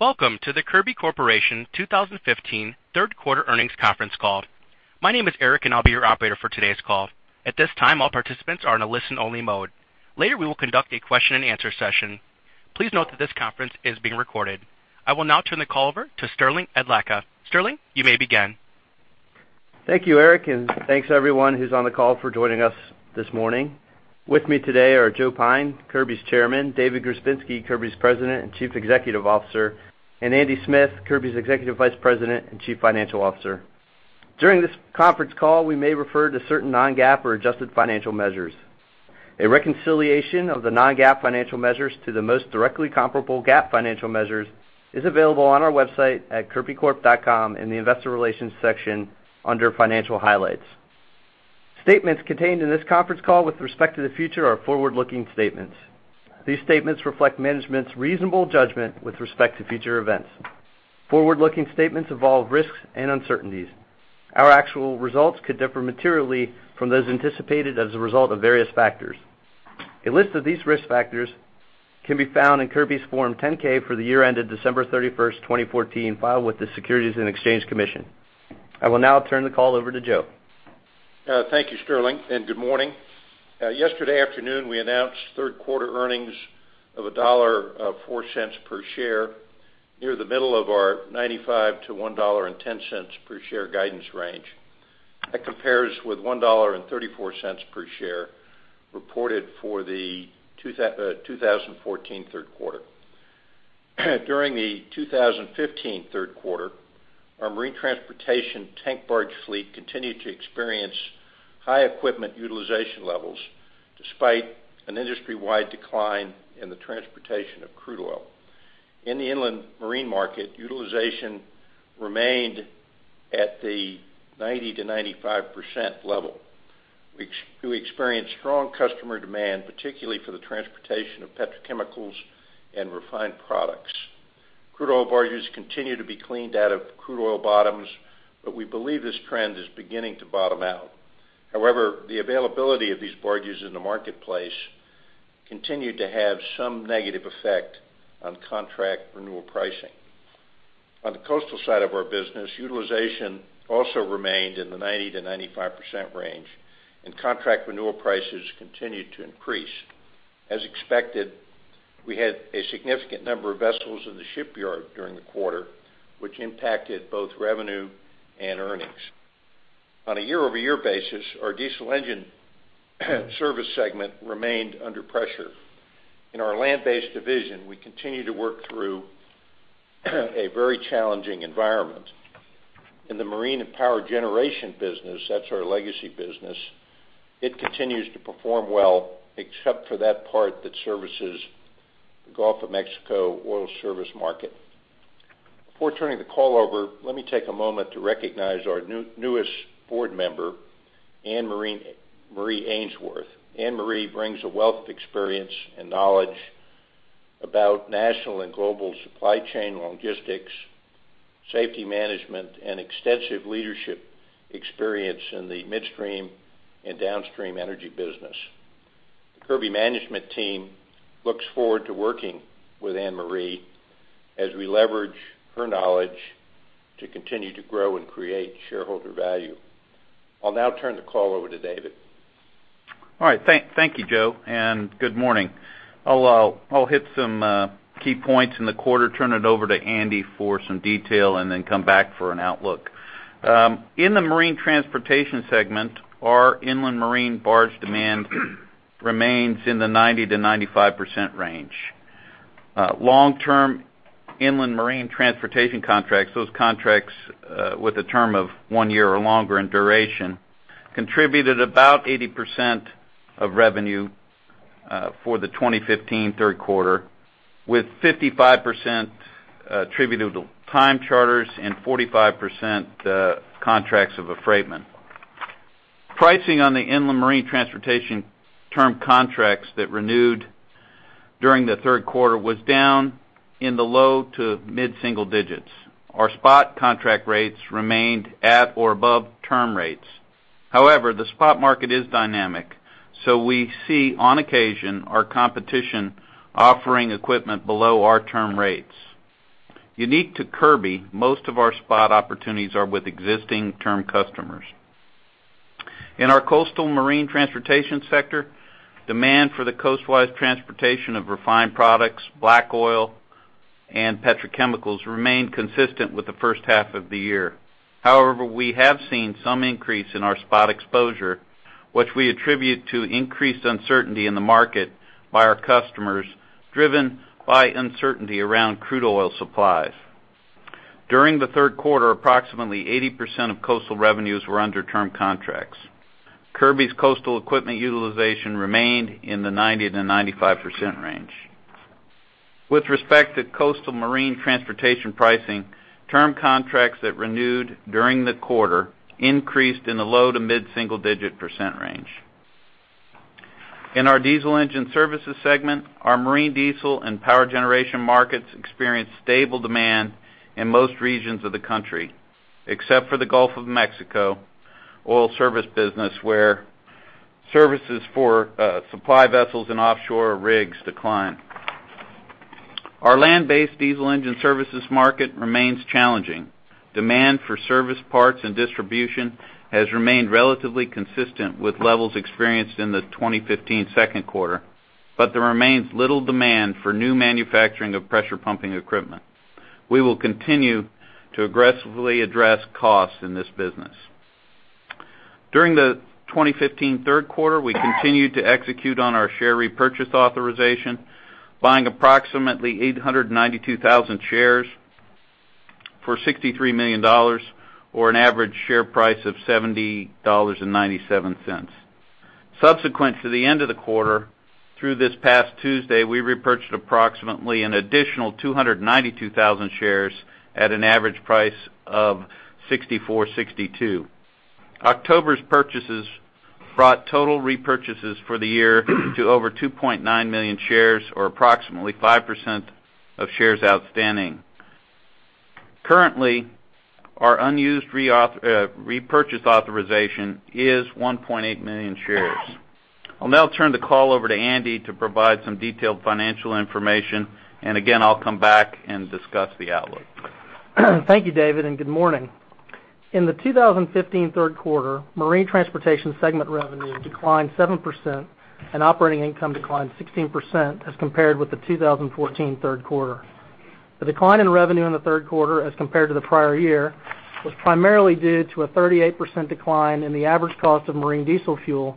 Welcome to the Kirby Corporation 2015 Q3 earnings conference call. My name is Eric and I'll be your operator for today's call. At this time, all participants are in a listen-only mode. Later, we will conduct a question-and-answer session. Please note that this conference is being recorded. I will now turn the call over to Sterling Adlakha. Sterling, you may begin. Thank you, Eric and thanks everyone who's on the call for joining us this morning. With me today are Joe Pyne, Kirby's Chairman. David Grzebinski, Kirby's President and Chief Executive Officer and Andy Smith, Kirby's Executive Vice President and Chief Financial Officer. During this conference call, we may refer to certain non-GAAP or adjusted financial measures. A reconciliation of the non-GAAP financial measures to the most directly comparable GAAP financial measures is available on our website at kirbycorp.com in the Investor Relations section under Financial Highlights. Statements contained in this conference call with respect to the future are forward-looking statements. These statements reflect management's reasonable judgment with respect to future events. Forward-looking statements involve risks and uncertainties. Our actual results could differ materially from those anticipated as a result of various factors. A list of these risk factors can be found in Kirby's Form 10-K for the year ended December 31, 2014, filed with the Securities and Exchange Commission. I will now turn the call over to Joe. Thank you, Sterling and good morning. Yesterday afternoon, we announced third-quarter earnings of $1.04 per share, near the middle of our $0.95-$1.10 per share guidance range. That compares with $1.34 per share reported for the 2014 Q3. During the 2015 Q3, our marine transportation tank barge fleet continued to experience high equipment utilization levels, despite an industry-wide decline in the transportation of crude oil. In the inland marine market, utilization remained at the 90%-95% level. We experienced strong customer demand, particularly for the transportation of petrochemicals and refined products. Crude oil barges continued to be cleaned out of crude oil bottoms, but we believe this trend is beginning to bottom out. However, the availability of these barges in the marketplace continued to have some negative effect on contract renewal pricing. On the coastal side of our business, utilization also remained in the 90%-95% range and contract renewal prices continued to increase. As expected, we had a significant number of vessels in the shipyard during the quarter, which impacted both revenue and earnings. On a year-over-year basis, our diesel engine service segment remained under pressure. In our land-based division, we continue to work through a very challenging environment. In the marine and power generation business, that's our legacy business, it continues to perform well, except for that part that services the Gulf of Mexico oil service market. Before turning the call over, let me take a moment to recognize our newest board member, Anne-Marie Ainsworth. Anne-Marie brings a wealth of experience and knowledge about national and global supply chain logistics, safety management and extensive leadership experience in the midstream and downstream energy business. Kirby management team looks forward to working with Anne-Marie as we leverage her knowledge to continue to grow and create shareholder value. I'll now turn the call over to David. All right, thank you, Joe and good morning. I'll hit some key points in the quarter, turn it over to Andy for some detail and then come back for an outlook. In the marine transportation segment, our inland marine barge demand remains in the 90%-95% range. Long-term inland marine transportation contracts, those contracts with a term of one year or longer in duration, contributed about 80% of revenue for the 2015 Q3, with 55% attributed to time charters and 45%, contracts of affreightment. Pricing on the inland marine transportation term contracts that renewed during the Q3 was down in the low to mid-single digits. Our spot contract rates remained at or above term rates. However, the spot market is dynamic, so we see, on occasion, our competition offering equipment below our term rates. Unique to Kirby, most of our spot opportunities are with existing term customers. In our coastal marine transportation sector, demand for the coast-wide transportation of refined products, black oil and petrochemicals remained consistent with the H1 of the year. However, we have seen some increase in our spot exposure, which we attribute to increased uncertainty in the market by our customers, driven by uncertainty around crude oil supplies. During the Q3, approximately 80% of coastal revenues were under term contracts. Kirby's coastal equipment utilization remained in the 90%-95% range. With respect to coastal marine transportation pricing, term contracts that renewed during the quarter increased in the low- to mid-single-digit % range. In our diesel engine services segment, our marine diesel and power generation markets experienced stable demand in most regions of the country, except for the Gulf of Mexico oil service business, where services for supply vessels and offshore rigs decline. Our land-based diesel engine services market remains challenging. Demand for service parts and distribution has remained relatively consistent with levels experienced in the 2015 Q2, but there remains little demand for new manufacturing of pressure pumping equipment. We will continue to aggressively address costs in this business. During the 2015 Q3, we continued to execute on our share repurchase authorization, buying approximately 892,000 shares for $63 million, or an average share price of $70.97. Subsequent to the end of the quarter, through this past Tuesday, we repurchased approximately an additional 292,000 shares at an average price of $64.62. October's purchases brought total repurchases for the year to over 2.9 million shares or approximately 5% of shares outstanding. Currently, our unused repurchase authorization is 1.8 million shares. I'll now turn the call over to Andy to provide some detailed financial information and again, I'll come back and discuss the outlook. Thank you, david and good morning. In the 2015 Q3, marine transportation segment revenue declined 7% and operating income declined 16% as compared with the 2014 Q3. The decline in revenue in the Q3 as compared to the prior year, was primarily due to a 38% decline in the average cost of marine diesel fuel,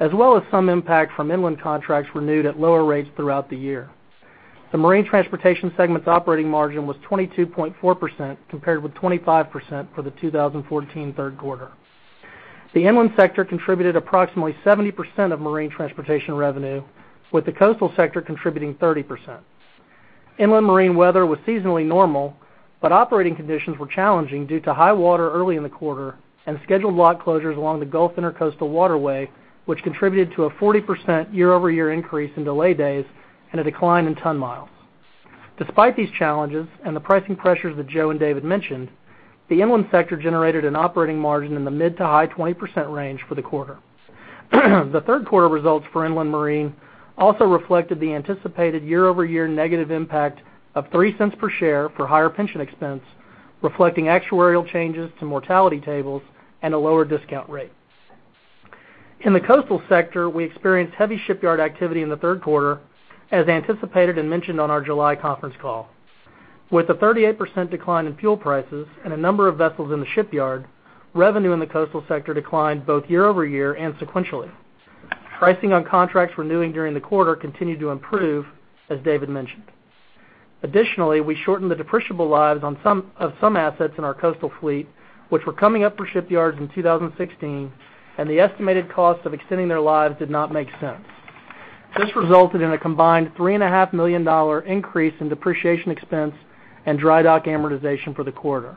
as well as some impact from inland contracts renewed at lower rates throughout the year. The marine transportation segment's operating margin was 22.4%, compared with 25% for the 2014 Q3. The inland sector contributed approximately 70% of marine transportation revenue, with the coastal sector contributing 30%. Inland marine weather was seasonally normal, but operating conditions were challenging due to high water early in the quarter and scheduled lock closures along the Gulf Intracoastal Waterway, which contributed to a 40% year-over-year increase in delay days and a decline in ton miles. Despite these challenges and the pricing pressures that Joe and David mentioned, the inland sector generated an operating margin in the mid- to high-20% range for the quarter. The Q3 results for inland marine also reflected the anticipated year-over-year negative impact of $0.03 per share for higher pension expense, reflecting actuarial changes to mortality tables and a lower discount rate. In the coastal sector, we experienced heavy shipyard activity in the Q3, as anticipated and mentioned on our July conference call. With a 38% decline in fuel prices and a number of vessels in the shipyard, revenue in the coastal sector declined both year-over-year and sequentially. Pricing on contracts renewing during the quarter continued to improve, as David mentioned. Additionally, we shortened the depreciable lives on some of some assets in our coastal fleet, which were coming up for shipyards in 2016 and the estimated cost of extending their lives did not make sense. This resulted in a combined $3.5 million increase in depreciation expense and dry dock amortization for the quarter.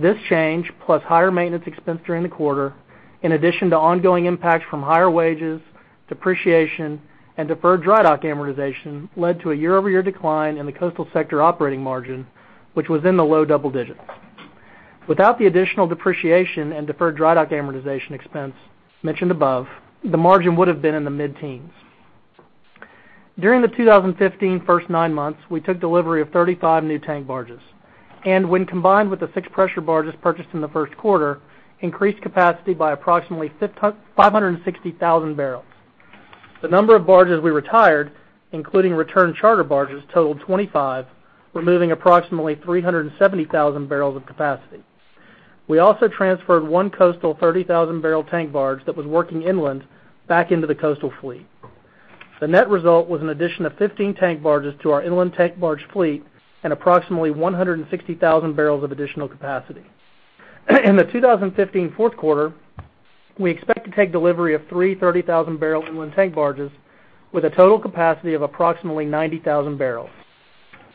This change, plus higher maintenance expense during the quarter, in addition to ongoing impacts from higher wages, depreciation and deferred dry dock amortization, led to a year-over-year decline in the coastal sector operating margin, which was in the low double digits. Without the additional depreciation and deferred dry dock amortization expense mentioned above, the margin would have been in the mid-teens. During the 2015 first nine months, we took delivery of 35 new tank barges and when combined with the six pressure barges purchased in the Q1, increased capacity by approximately 560,000 barrels. The number of barges we retired, including return charter barges, totaled 25, removing approximately 370,000 barrels of capacity. We also transferred one coastal 30,000-barrel tank barge that was working inland back into the coastal fleet. The net result was an addition of 15 tank barges to our inland tank barge fleet and approximately 160,000 barrels of additional capacity. In the 2015 Q4, we expect to take delivery of 3 30,000-barrel inland tank barges with a total capacity of approximately 90,000 barrels.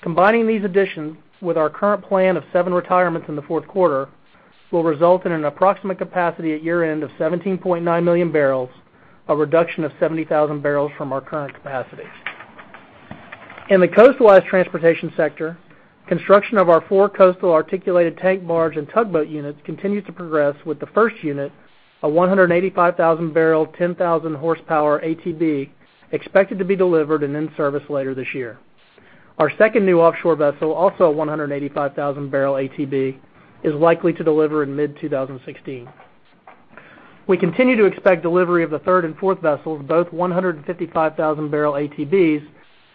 Combining these additions with our current plan of 7 retirements in the Q4, will result in an approximate capacity at year-end of 17.9 million barrels, a reduction of 70,000 barrels from our current capacity. In the coastal marine transportation sector, construction of our 4 coastal articulated tank barge and tugboat units continues to progress with the first unit, a 185,000-barrel, 10,000-horsepower ATB, expected to be delivered and in service later this year. Our second new offshore vessel, also a 185,000-barrel ATB, is likely to deliver in mid-2016. We continue to expect delivery of the third and fourth vessels, both 155,000-barrel ATBs,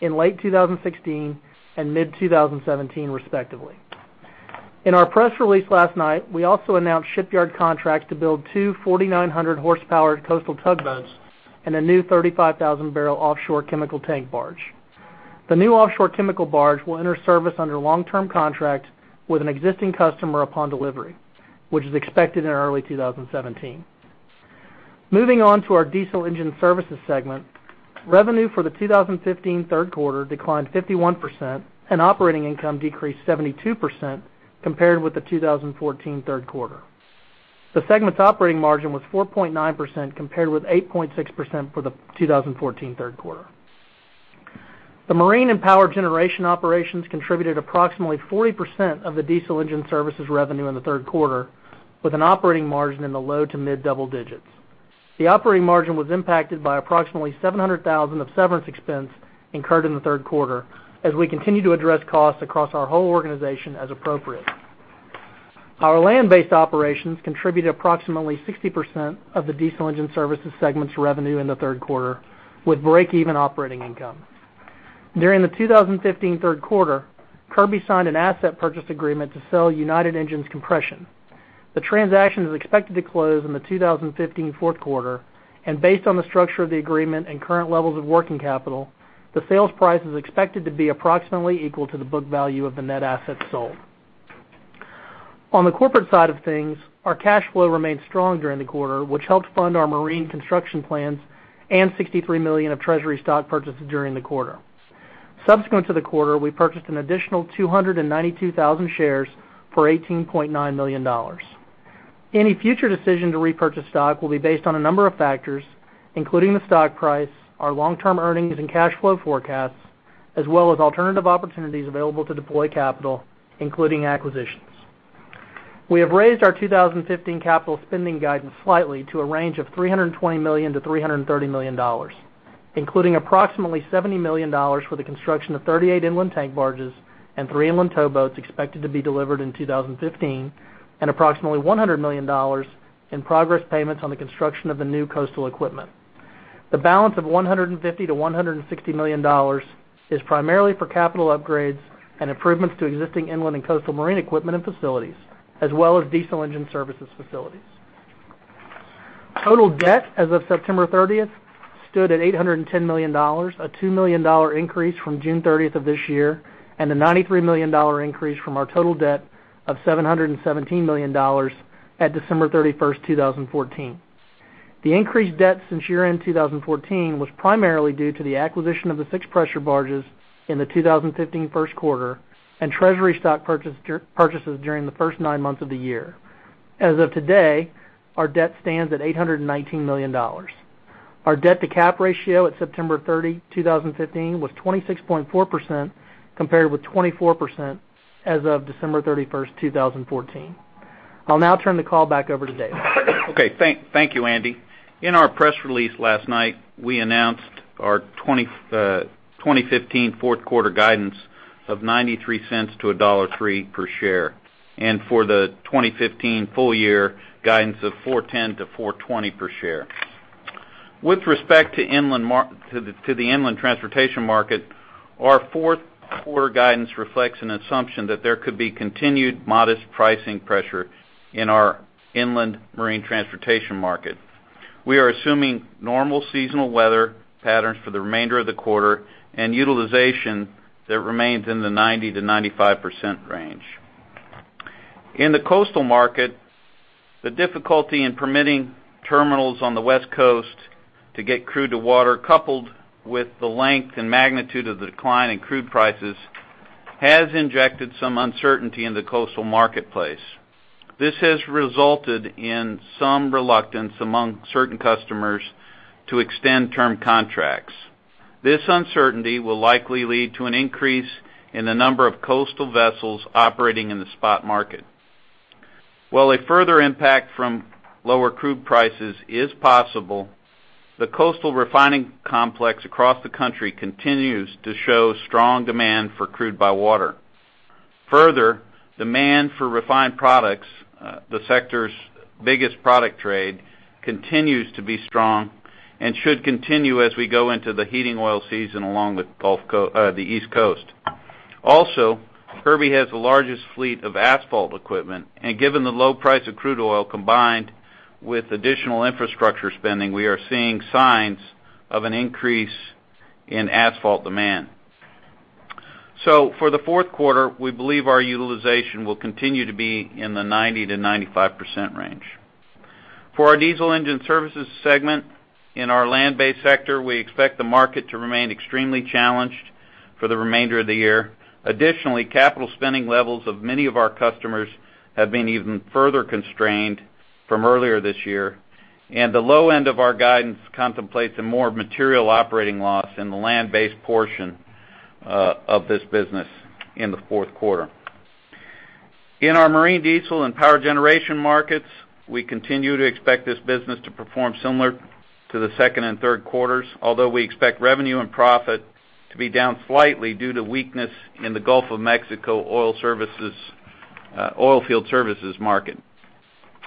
in late 2016 and mid-2017, respectively. In our press release last night, we also announced shipyard contracts to build two 4,900-horsepower coastal tugboats and a new 35,000-barrel offshore chemical tank barge. The new offshore chemical barge will enter service under a long-term contract with an existing customer upon delivery, which is expected in early 2017. Moving on to our diesel engine services segment. Revenue for the 2015 Q3 declined 51% and operating income decreased 72% compared with the 2014 Q3. The segment's operating margin was 4.9%, compared with 8.6% for the 2014 Q3. The marine and power generation operations contributed approximately 40% of the diesel engine services revenue in the Q3, with an operating margin in the low to mid double digits. The operating margin was impacted by approximately $700,000 of severance expense incurred in the Q3, as we continue to address costs across our whole organization as appropriate. Our land-based operations contributed approximately 60% of the diesel engine services segment's revenue in the Q3, with break-even operating income. During the 2015 Q3, Kirby signed an asset purchase agreement to sell United Engines compression. The transaction is expected to close in the 2015 Q4 and based on the structure of the agreement and current levels of working capital, the sales price is expected to be approximately equal to the book value of the net assets sold. On the corporate side of things, our cash flow remained strong during the quarter, which helped fund our marine construction plans and $63 million of treasury stock purchases during the quarter. Subsequent to the quarter, we purchased an additional 292,000 shares for $18.9 million. Any future decision to repurchase stock will be based on a number of factors, including the stock price, our long-term earnings and cash flow forecasts, as well as alternative opportunities available to deploy capital, including acquisitions. We have raised our 2015 capital spending guidance slightly to a range of $320 million-$330 million, including approximately $70 million for the construction of 38 inland tank barges and 3 inland towboats, expected to be delivered in 2015 and approximately $100 million in progress payments on the construction of the new coastal equipment. The balance of $150 million-$160 million is primarily for capital upgrades and improvements to existing inland and coastal marine equipment and facilities, as well as diesel engine services facilities. Total debt as of September 30 stood at $810 million, a $2 million increase from June 30 of this year and a $93 million increase from our total debt of $717 million at December 31, 2014. The increased debt since year-end 2014 was primarily due to the acquisition of the fixed pressure barges in the 2015 Q1 and treasury stock purchases during the first nine months of the year. As of today, our debt stands at $819 million. Our debt-to-cap ratio at September 30, 2015, was 26.4%, compared with 24% as of December 31, 2014. I'll now turn the call back over to David. Thank you Andy. In our press release last night, we announced our 2015 Q4 guidance of $0.93-$1.03 per share and for the 2015 full year, guidance of $4.10-$4.20 per share. With respect to the inland transportation market, our Q4 guidance reflects an assumption that there could be continued modest pricing pressure in our inland marine transportation market. We are assuming normal seasonal weather patterns for the remainder of the quarter and utilization that remains in the 90%-95% range. In the coastal market, the difficulty in permitting terminals on the West Coast to get crude to water, coupled with the length and magnitude of the decline in crude prices, has injected some uncertainty in the coastal marketplace. This has resulted in some reluctance among certain customers to extend term contracts. This uncertainty will likely lead to an increase in the number of coastal vessels operating in the spot market. While a further impact from lower crude prices is possible, the coastal refining complex across the country continues to show strong demand for crude by water. Further, demand for refined products, the sector's biggest product trade, continues to be strong and should continue as we go into the heating oil season along the East Coast. Also, Kirby has the largest fleet of asphalt equipment and given the low price of crude oil, combined with additional infrastructure spending, we are seeing signs of an increase in asphalt demand. So for the Q4, we believe our utilization will continue to be in the 90%-95% range. For our diesel engine services segment in our land-based sector, we expect the market to remain extremely challenged for the remainder of the year. Additionally, capital spending levels of many of our customers have been even further constrained from earlier this year and the low end of our guidance contemplates a more material operating loss in the land-based portion of this business in the Q4. In our marine diesel and power generation markets, we continue to expect this business to perform similar to the second and Q3s, although we expect revenue and profit to be down slightly due to weakness in the Gulf of Mexico oil services, oilfield services market.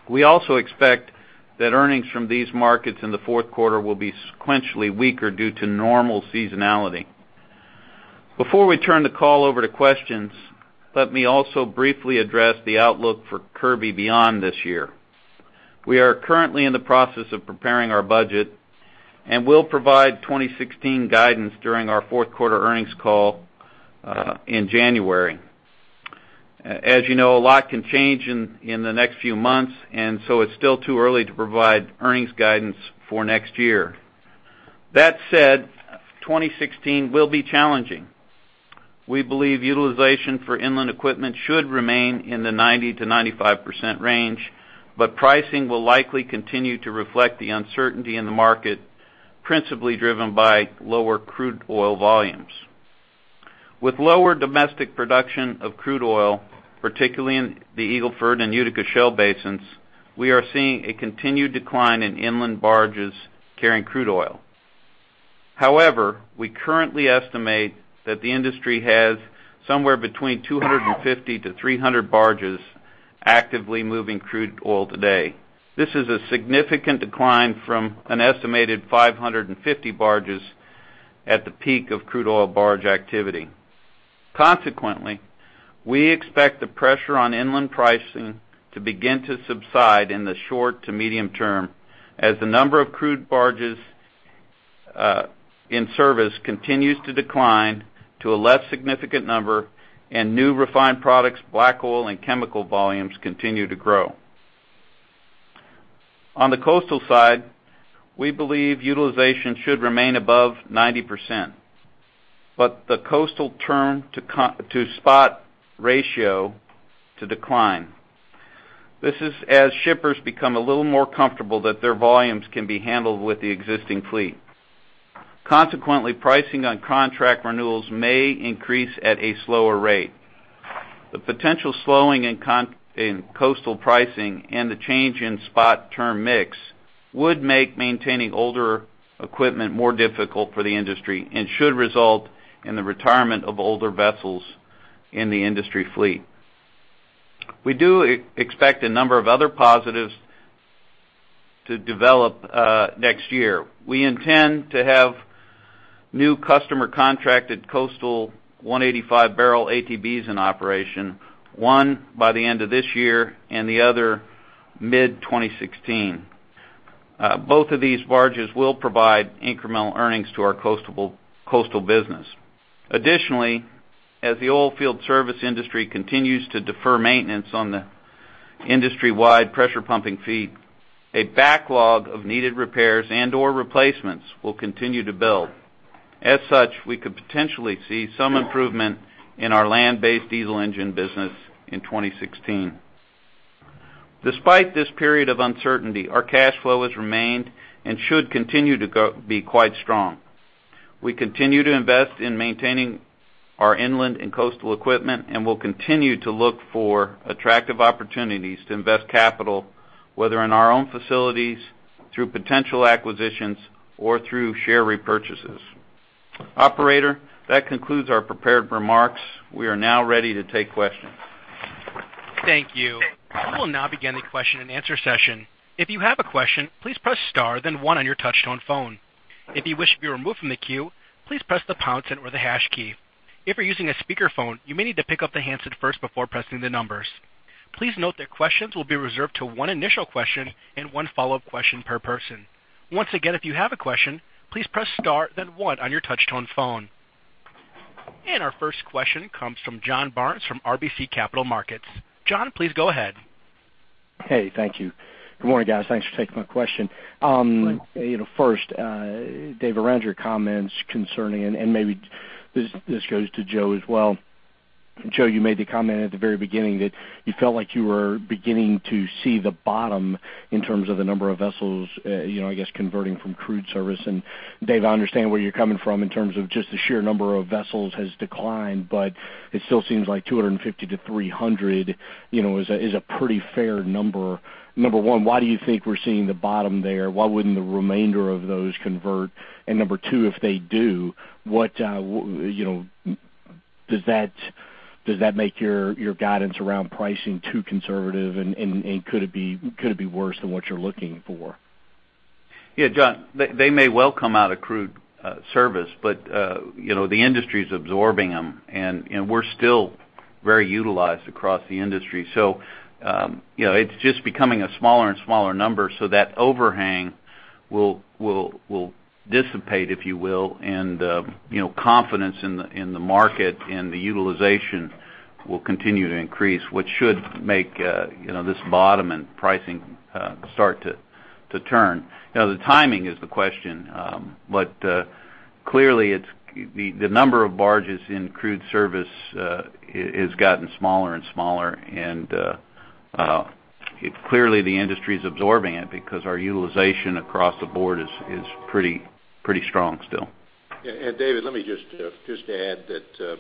We also expect that earnings from these markets in the Q4 will be sequentially weaker due to normal seasonality. Before we turn the call over to questions, let me also briefly address the outlook for Kirby beyond this year. We are currently in the process of preparing our budget and we'll provide 2016 guidance during our Q4 earnings call in January. As a lot can change in the next few months and so it's still too early to provide earnings guidance for next year. That said, 2016 will be challenging. We believe utilization for inland equipment should remain in the 90%-95% range, but pricing will likely continue to reflect the uncertainty in the market, principally driven by lower crude oil volumes. With lower domestic production of crude oil, particularly in the Eagle Ford and Utica Shale basins, we are seeing a continued decline in inland barges carrying crude oil. However, we currently estimate that the industry has somewhere between 250-300 barges actively moving crude oil today. This is a significant decline from an estimated 550 barges at the peak of crude oil barge activity. Consequently, we expect the pressure on inland pricing to begin to subside in the short to medium term, as the number of crude barges in service continues to decline to a less significant number and new refined products, black oil and chemical volumes continue to grow. On the coastal side, we believe utilization should remain above 90%, but the coastal term to spot ratio to decline. This is as shippers become a little more comfortable that their volumes can be handled with the existing fleet. Consequently, pricing on contract renewals may increase at a slower rate. The potential slowing in coastal pricing and the change in spot term mix would make maintaining older equipment more difficult for the industry and should result in the retirement of older vessels in the industry fleet. We do expect a number of other positives to develop next year. We intend to have new customer contracted coastal 185-barrel ATBs in operation, one by the end of this year and the other mid-2016. Both of these barges will provide incremental earnings to our coastal business. Additionally, as the oilfield service industry continues to defer maintenance on the industry-wide pressure pumping fleet, a backlog of needed repairs and/or replacements will continue to build. As such, we could potentially see some improvement in our land-based diesel engine business in 2016. Despite this period of uncertainty, our cash flow has remained and should continue to be quite strong. We continue to invest in maintaining our inland and coastal equipment and we'll continue to look for attractive opportunities to invest capital, whether in our own facilities, through potential acquisitions, or through share repurchases. Operator, that concludes our prepared remarks. We are now ready to take questions. Thank you. We will now begin the question-and-answer session. If you have a question, please press star then one on your touch-tone phone. If you wish to be removed from the queue, please press the pound sign or the hash key. If you're using a speakerphone, you may need to pick up the handset first before pressing the numbers. Please note that questions will be reserved to one initial question and one follow-up question per person. Once again, if you have a question, please press star, then one on your touch-tone phone. Our first question comes from John Barnes from RBC Capital Markets. John, please go ahead. Hey, thank you. Good morning, guys. Thanks for taking my question. First, Dave, around your comments concerning and maybe this goes to Joe as well. Joe, you made the comment at the very beginning that you felt like you were beginning to see the bottom in terms of the number of vessels converting from crude service and, Dave, I understand where you're coming from in terms of just the sheer number of vessels has declined, but it still seems like 250-300 is a pretty fair number. Number one, why do you think we're seeing the bottom there. Why wouldn't the remainder of those convert. And number two, if they do does that, does that make your, your guidance around pricing too and and could it be, could it be worse than what you're looking for. John, they may well come out of crude service, The industry is absorbing them and we're still very utilized across the industry. It's just becoming a smaller and smaller number, so that overhang will dissipate confidence in the market and the utilization will continue to increase, which should make this bottom and pricing start to turn. Now, the timing is the question, but clearly, it's the number of barges in crude service has gotten smaller and smaller and clearly, the industry is absorbing it because our utilization across the board is pretty strong still. David, let me just just add that,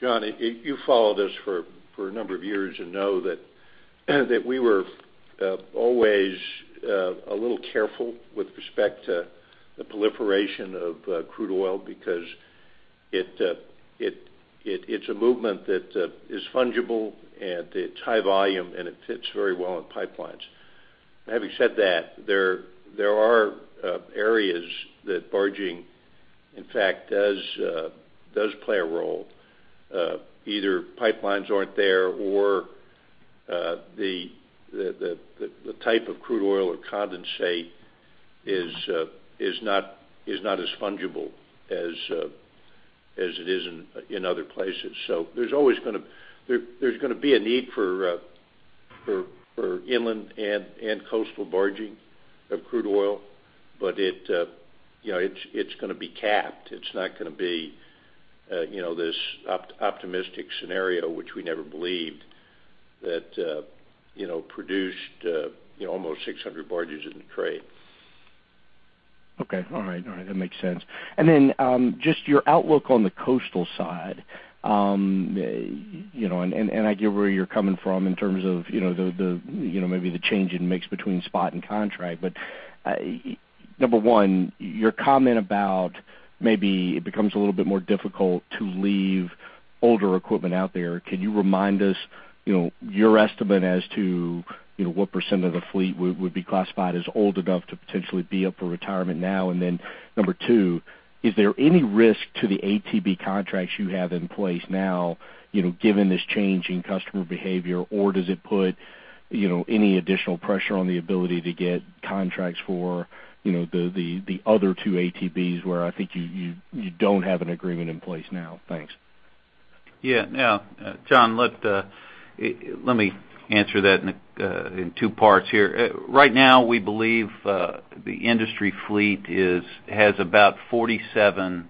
John, you followed us for a number of years and know that we were always a little careful with respect to the proliferation of crude oil because it it's a movement that is fungible and it's high volume and it fits very well in pipelines. Having said that, there are areas that barging, in fact, does play a role. Either pipelines aren't there or the type of crude oil or condensate is not as fungible as it is in other places. There's always gonna there, there's gonna be a need for For inland and coastal barging of crude oil. But it it's gonna be capped. It's not gonna be this optimistic scenario, which we never believed, that produced almost 600 barges in the trade. All right, that makes sense. Then, just your outlook on the coastal side and I get where you're coming from in terms of maybe the change in mix between spot and contract. But, number one, your comment about maybe it becomes a little bit more difficult to leave older equipment out there. Can you remind us your estimate as to what % of the fleet would be classified as old enough to potentially be up for retirement now. Then, number two, is there any risk to the ATB contracts you have in place now given this change in customer behavior, or does it put any additional pressure on the ability to get contracts for the other two ATBs, where you don't have an agreement in place now. Thanks. Now, John, let me answer that in two parts here. Right now, we believe the industry fleet has about 47,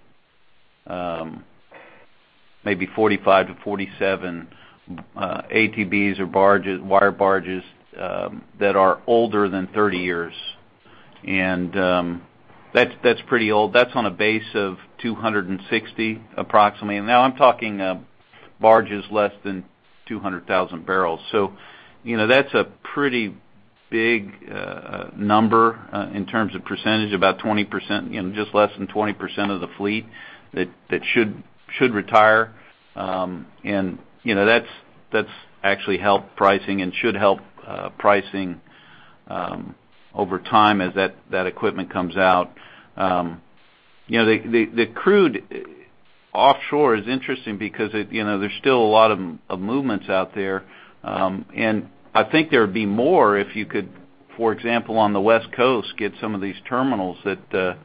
maybe 45-47, ATBs or barges, wire barges, that are older than 30 years and, that's pretty old. That's on a base of 260, approximately and now I'm talking barges less than 200,000 barrels. That's a pretty big number in terms of percentage, about 20% just less than 20% of the fleet that should retire and that's actually helped pricing and should help pricing over time as that equipment comes out. The crude offshore is interesting because it there's still a lot of movements out there and there would be more if you could, for example, on the West Coast, get some of these terminals that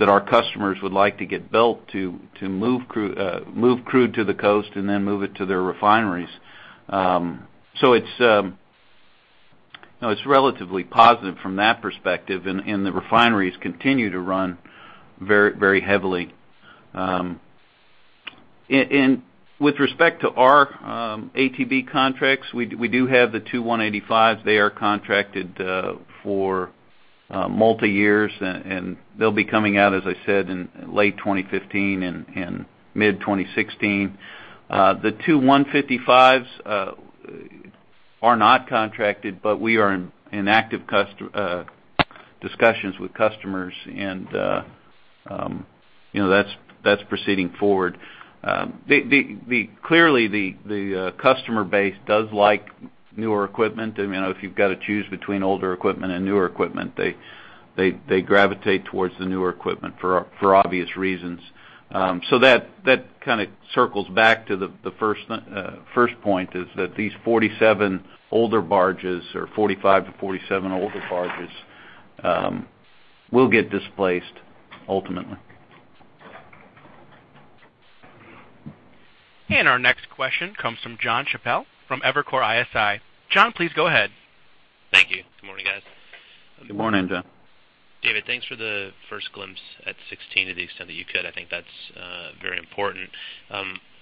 our customers would like to get built to move crude to the coast and then move it to their refineries. So it's it's relatively positive from that perspective and the refineries continue to run very, very heavily and with respect to our ATB contracts, we do have the two 185s. They are contracted for multi-year and they'll be coming out, as I said, in late 2015 and mid-2016. The two 155s are not contracted, but we are in active discussions with customers and that's proceeding forward. Clearly, the customer base does like newer equipment and if you've got to choose between older equipment and newer equipment, they gravitate towards the newer equipment for obvious reasons. So that kind of circles back to the first point, is that these 47 older barges, or 45-47 older barges, will get displaced ultimately. Our next question comes from John Chappell from Evercore ISI. John, please go ahead. Thank you. Good morning, guys. Good morning, John. David, thanks for the first glimpse at 2016 to the extent that you could. That's very important.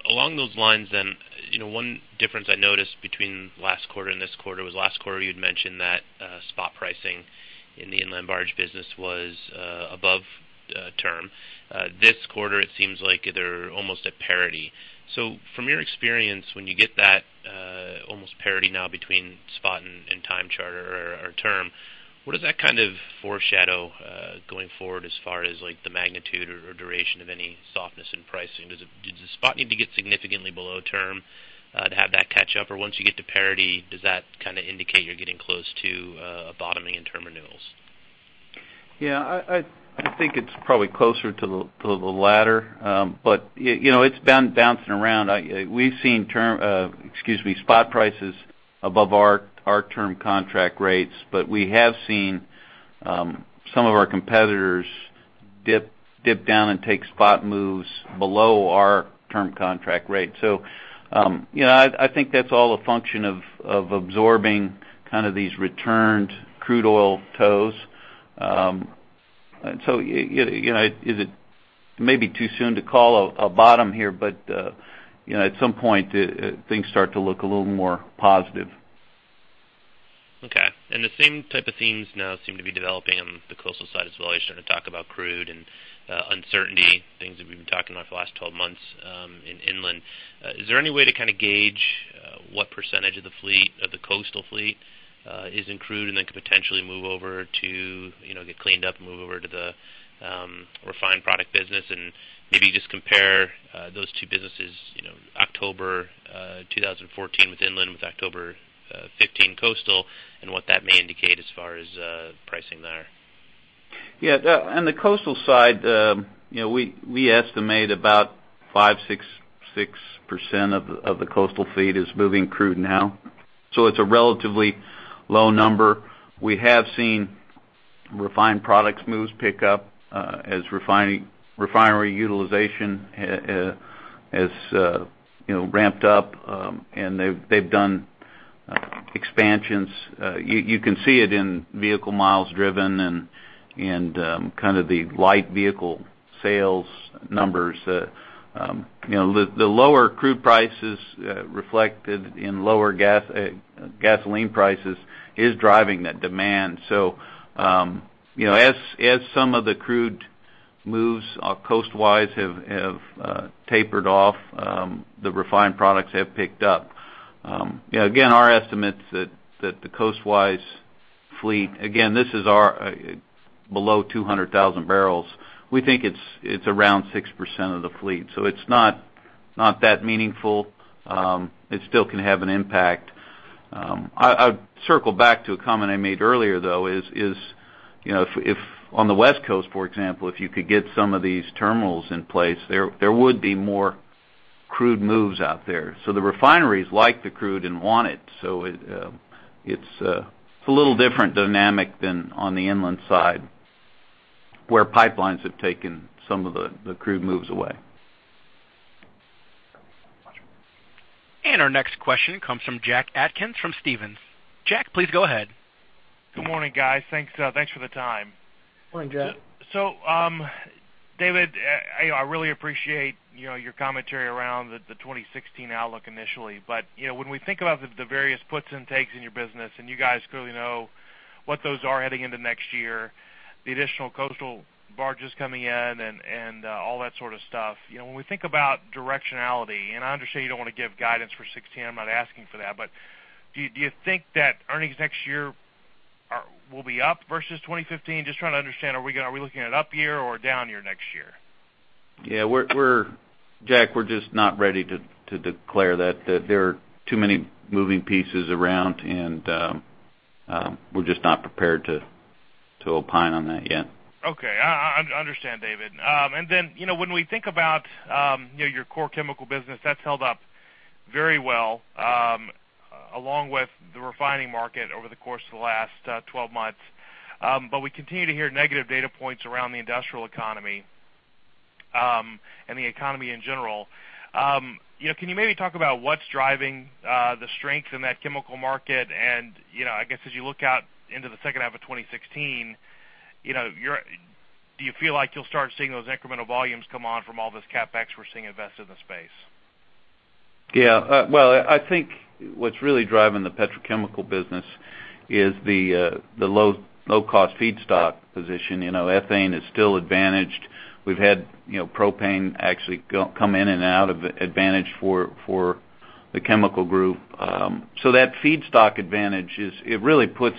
Along those lines, then one difference I noticed between last quarter and this quarter was last quarter, you'd mentioned that spot pricing in the inland barge business was above term. This quarter, it seems like they're almost at parity. So from your experience, when you get that almost parity now between spot and time charter or term, what does that kind of foreshadow going forward as far as, like, the magnitude or duration of any softness in pricing. Does the spot need to get significantly below term to have that catch up. Or once you get to parity, does that kind of indicate you're getting close to a bottoming in term renewals. It's probably closer to the latter. but it's been bouncing around. We've seen term, excuse me, spot prices above our term contract rates, but we have seen some of our competitors dip down and take spot moves below our term contract rate. That's all a function of absorbing kind of these returned crude oil tows and it is maybe too soon to call a bottom here at some point, things start to look a little more positive. And the same type of themes now seem to be developing on the coastal side as well. You started to talk about crude and uncertainty, things that we've been talking about for the last 12 months in inland. Is there any way to kind of gauge what percentage of the fleet, of the coastal fleet, is in crude and then could potentially move over to get cleaned up and move over to the refined product business and maybe just compare those two businesses October 2014 with inland, with October 2015 coastal and what that may indicate as far as pricing there. The on the coastal side we estimate about 5-6.6% of the coastal fleet is moving crude now, so it's a relatively low number. We have seen refined products moves pick up, as refinery utilization as ramped up and they've done expansions. You can see it in vehicle miles driven and kind of the light vehicle sales numbers. The lower crude prices reflected in lower gasoline prices is driving that demand. As some of the crude moves coastwise have tapered off, the refined products have picked up again, our estimates that the coastwise fleet, again, this is our, below 200,000 barrels. We think it's around 6% of the fleet, so it's not that meaningful. It still can have an impact. I'd circle back to a comment I made earlier, though if on the West Coast, for example, if you could get some of these terminals in place, there would be more crude moves out there. So the refineries like the crude and want it, so it's a little different dynamic than on the inland side, where pipelines have taken some of the crude moves away. Our next question comes from Jack Atkins from Stephens. Jack, please go ahead. Good morning, guys. Thanks, thanks for the time. Morning, Jack. David, I really appreciate your commentary around the 2016 outlook initially. but when we think about the various puts and takes in your business and you guys clearly know what those are heading into next year, the additional coastal barges coming in and all that sort of stuff. When we think about directionality and I understand you don't wanna give guidance for 2016, I'm not asking for that. But do you think that earnings next year are—will be up versus 2015. Just trying to understand are we looking at up year or a down year next year. Jack, we're just not ready to declare that there are too many moving pieces around and we're just not prepared to opine on that yet. I understand, David and then when we think about your core chemical business, that's held up very well, along with the refining market over the course of the last 12 months. But we continue to hear negative data points around the industrial economy and the economy in general. Can you maybe talk about what's driving the strength in that chemical market and I guess, as you look out into the H2 of 2016 do you feel like you'll start seeing those incremental volumes come on from all this CapEx we're seeing invested in the space. What's really driving the petrochemical business is the low, low-cost feedstock position. Ethane is still advantaged. We've had propane actually come in and out of advantage for the chemical group. So that feedstock advantage is, it really puts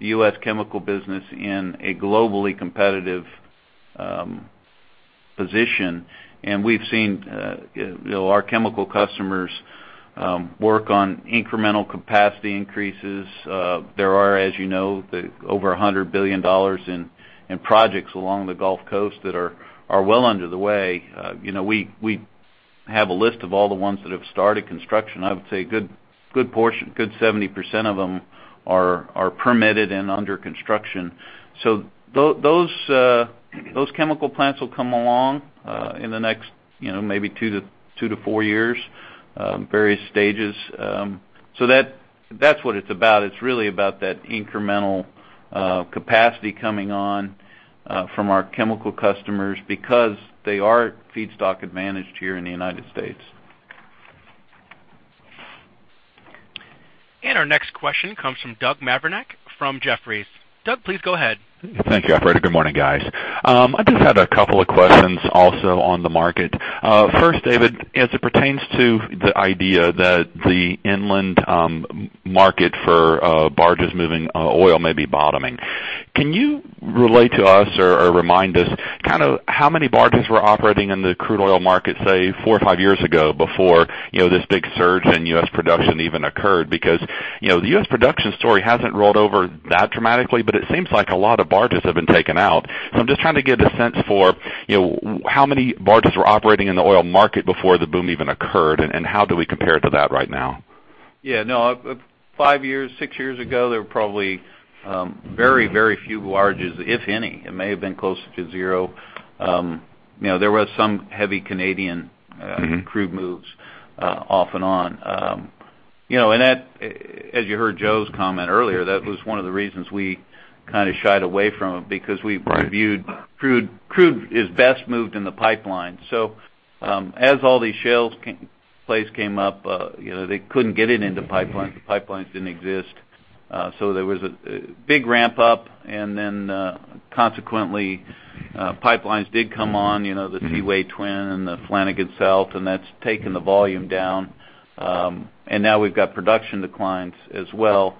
the U.S. chemical business in a globally competitive position and we've seen our chemical customers work on incremental capacity increases. There are as over $100 billion in projects along the Gulf Coast that are well under way. We have a list of all the ones that have started construction. I would say a good portion, good 70% of them are permitted and under construction. So those chemical plants will come along in the next maybe 2-4 years, various stages. So that, that's what it's about. It's really about that incremental capacity coming on from our chemical customers because they are feedstock advantaged here in the United States. Our next question comes from Doug Mavrinac from Jefferies. Doug, please go ahead. Thank you, operator. Good morning, guys. I just had a couple of questions also on the market. First, David, as it pertains to the idea that the inland market for barges moving oil may be bottoming, can you relate to us or remind us kind of how many barges were operating in the crude oil market, say, four or five years ago, before this big surge in U.S. production even occurred. because the U.S. production story hasn't rolled over that dramatically, but it seems like a lot of barges have been taken out. So I'm just trying to get a sense for how many barges were operating in the oil market before the boom even occurred and how do we compare to that right now. No, 5 years, 6 years ago, there were probably very, very few barges, if any. It may have been closer to 0. There was some heavy Canadian crude moves, off and on and that, as you heard Joe's comment earlier, that was one of the reasons we kind of shied away from it, because we viewed crude, crude is best moved in the pipeline. As all these shale plays came up they couldn't get it into pipelines. The pipelines didn't exist, so there was a big ramp up and then consequently pipelines did come on the Parkway Pipeline and the Flanagan South Pipeline and that's taken the volume down. Now we've got production declines as well.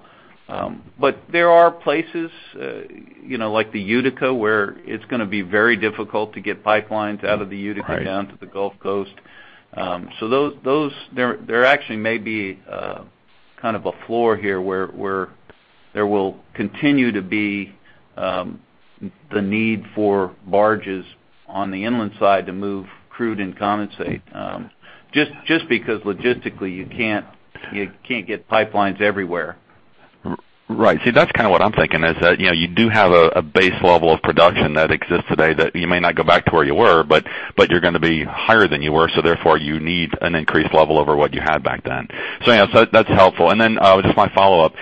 But there are places like the Utica, where it's gonna be very difficult to get pipelines out of the Utica down to the Gulf Coast. So those there actually may be kind of a floor here where there will continue to be the need for barges... on the inland side to move crude and condensate, just because logistically, you can't get pipelines everywhere. Right. See, that's kind of what I'm thinking, is that you do have a, a base level of production that exists today, that you may not go back to where you were, but, but you're gonna be higher than you were, so therefore, you need an increased level over what you had back then. That's helpful and then, just my follow-up,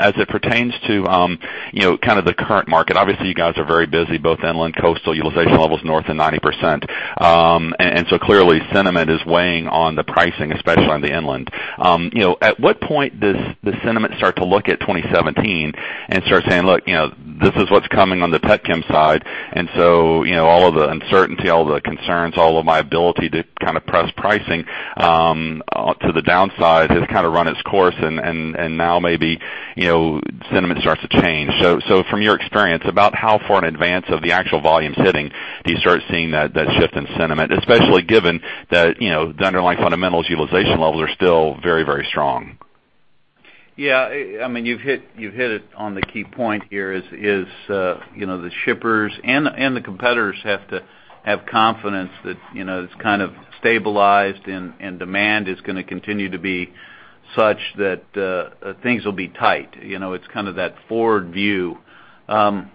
as it pertains to kind of the current market, obviously, you guys are very busy, both inland, coastal utilization levels, north of 90% and so clearly, sentiment is weighing on the pricing, especially on the inland. At what point does the sentiment start to look at 2017 and start saying, "look this is what's coming on the petchem side and all of the uncertainty, all the concerns, all of my ability to kind of press pricing to the downside has kind of run its course and now maybe sentiment starts to change." So from your experience, about how far in advance of the actual volumes hitting, do you start seeing that shift in sentiment, especially given that the underlying fundamentals, utilization levels are still very, very strong. I mean, you've hit, you've hit it on the key point here, is the shippers and the competitors have to have confidence that it's kind of stabilized and demand is gonna continue to be such that things will be tight it's kind of that forward view I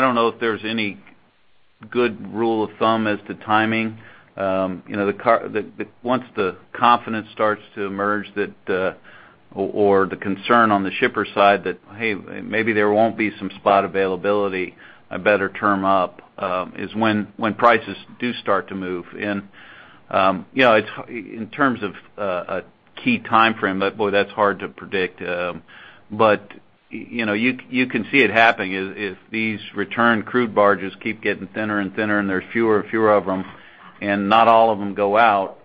don't know if there's any good rule of thumb as to timing once the confidence starts to emerge that, or the concern on the shipper side that, hey, maybe there won't be some spot availability, a better term up, is when prices do start to move and it's in terms of a key timeframe, boy, that's hard to predict. you can see it happening if these return crude barges keep getting thinner and thinner and there are fewer and fewer of them and not all of them go out,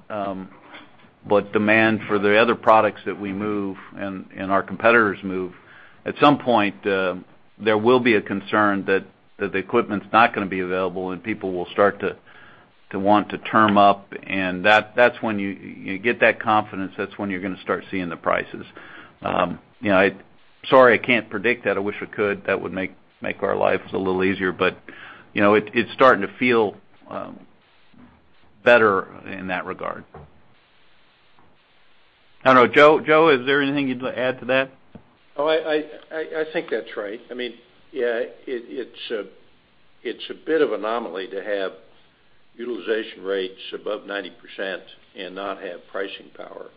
but demand for the other products that we move and our competitors move, at some point, there will be a concern that the equipment's not gonna be available and people will start to want to term up and that's when you get that confidence, that's when you're gonna start seeing the prices sorry, I can't predict that. I wish I could. That would make our lives a little easier, but it's starting to feel better in that regard. I don't know. Joe, is there anything you'd like to add to that. That's right. It's a bit of an anomaly to have utilization rates above 90% and not have pricing power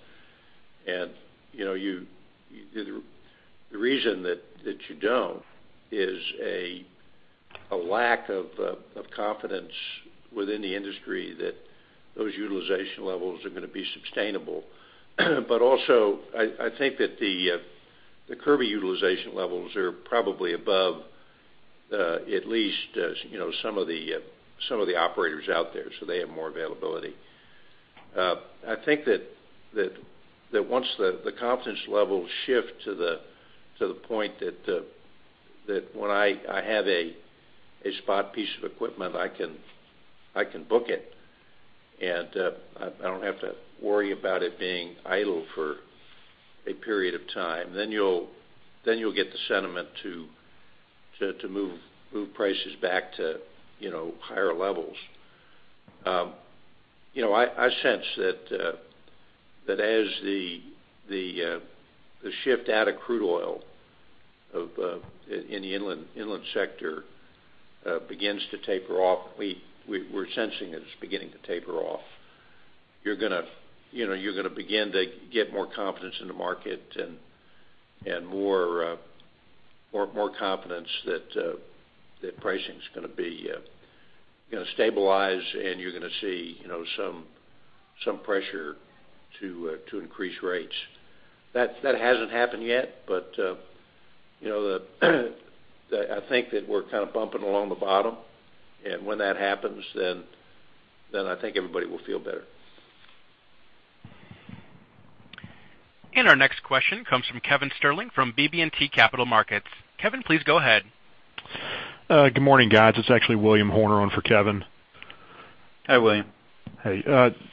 and the reason that you don't is a lack of confidence within the industry that those utilization levels are gonna be sustainable that the Kirby utilization levels are probably above at least some of the operators out there, so they have more availability. That once the confidence levels shift to the point that when I have a spot piece of equipment, I can book it and I don't have to worry about it being idle for a period of time, then you'll get the sentiment to move prices back to higher levels I sense that as the shift out of crude oil in the inland sector begins to taper off, we're sensing it is beginning to taper off. You're gonna you're gonna begin to get more confidence in the market and more confidence that pricing is gonna be stabilize and you're gonna see some pressure to increase rates. That hasn't happened yet that we're kind of bumping along the bottom and when that happens then everybody will feel better. Our next question comes from Kevin Sterling from BB&T Capital Markets. Kevin, please go ahead. Good morning, guys. It's actually William Horner on for Kevin. Hi, William. Hey,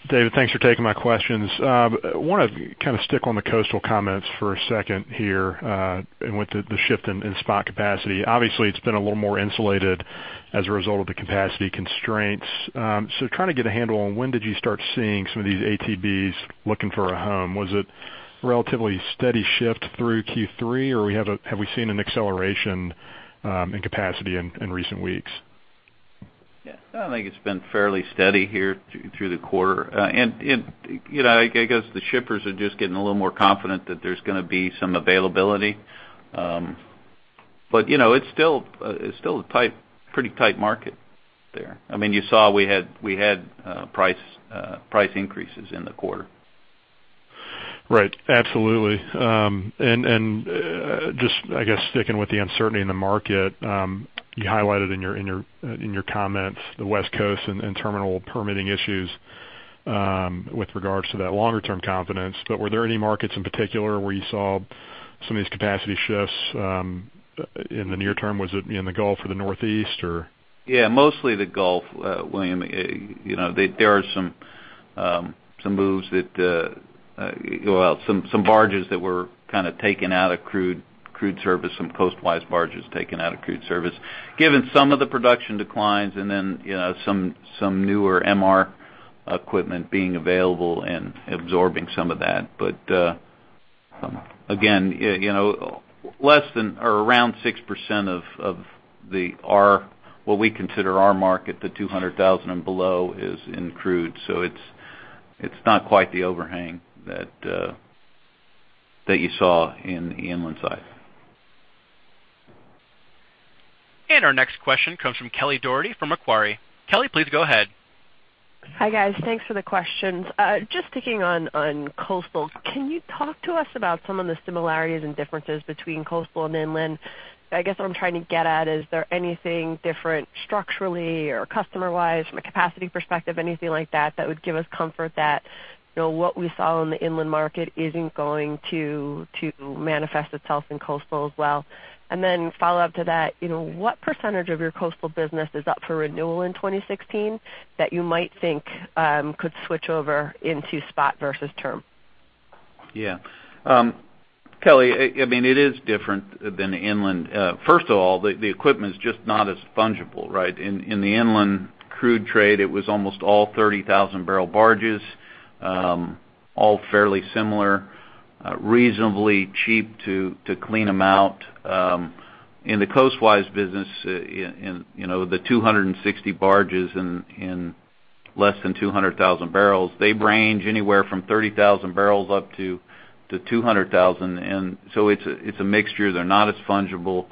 David, thanks for taking my questions. I wanna kind of stick on the coastal comments for a second here and with the, the shift in, in spot capacity. Obviously, it's been a little more insulated as a result of the capacity constraints. So trying to get a handle on, when did you start seeing some of these ATBs looking for a home. Was it relatively steady shift through Q3, or have we seen an acceleration, in capacity in, in recent weeks. It's been fairly steady here through the quarter and i guess the shippers are just getting a little more confident that there's gonna be some availability. But it's still a pretty tight market there. I mean, you saw we had price increases in the quarter. Sticking with the uncertainty in the market, you highlighted in your, in your, in your comments, the West Coast and and terminal permitting issues, with regards to that longer-term confidence. But were there any markets in particular where you saw some of these capacity shifts, in the near term. Was it in the Gulf or the Northeast, or. Mostly the Gulf, william there are some moves that, well, some barges that were kind of taken out of crude service, some coastwise barges taken out of crude service, given some of the production declines and then some newer MR equipment being available and absorbing some of that. But, again less than or around 6% of the—our, what we consider our market, the 200,000 and below is in crude. So it's not quite the overhang that you saw in the inland side. Our next question comes from Kelly Dougherty from Macquarie. Kelly, please go ahead. Hi, guys. Thanks for the questions. Just sticking on coastal, can you talk to us about some of the similarities and differences between coastal and inland. I guess what I'm trying to get at, is there anything different structurally or customer-wise from a capacity perspective, anything like that, that would give us comfort that what we saw in the inland market isn't going to manifest itself in coastal as well and then follow up to that what percentage of your coastal business is up for renewal in 2016 that you might think could switch over into spot versus term. Kelly, I mean, it is different than the inland. First of all, the equipment is just not as fungible, right. In the inland crude trade, it was almost all 30,000-barrel barges, all fairly similar, reasonably cheap to clean them out. In the coastwise business the 260 barges in less than 200,000 barrels, they range anywhere from 30,000 barrels up to 200,000 and so it's a mixture. They're not as fungible.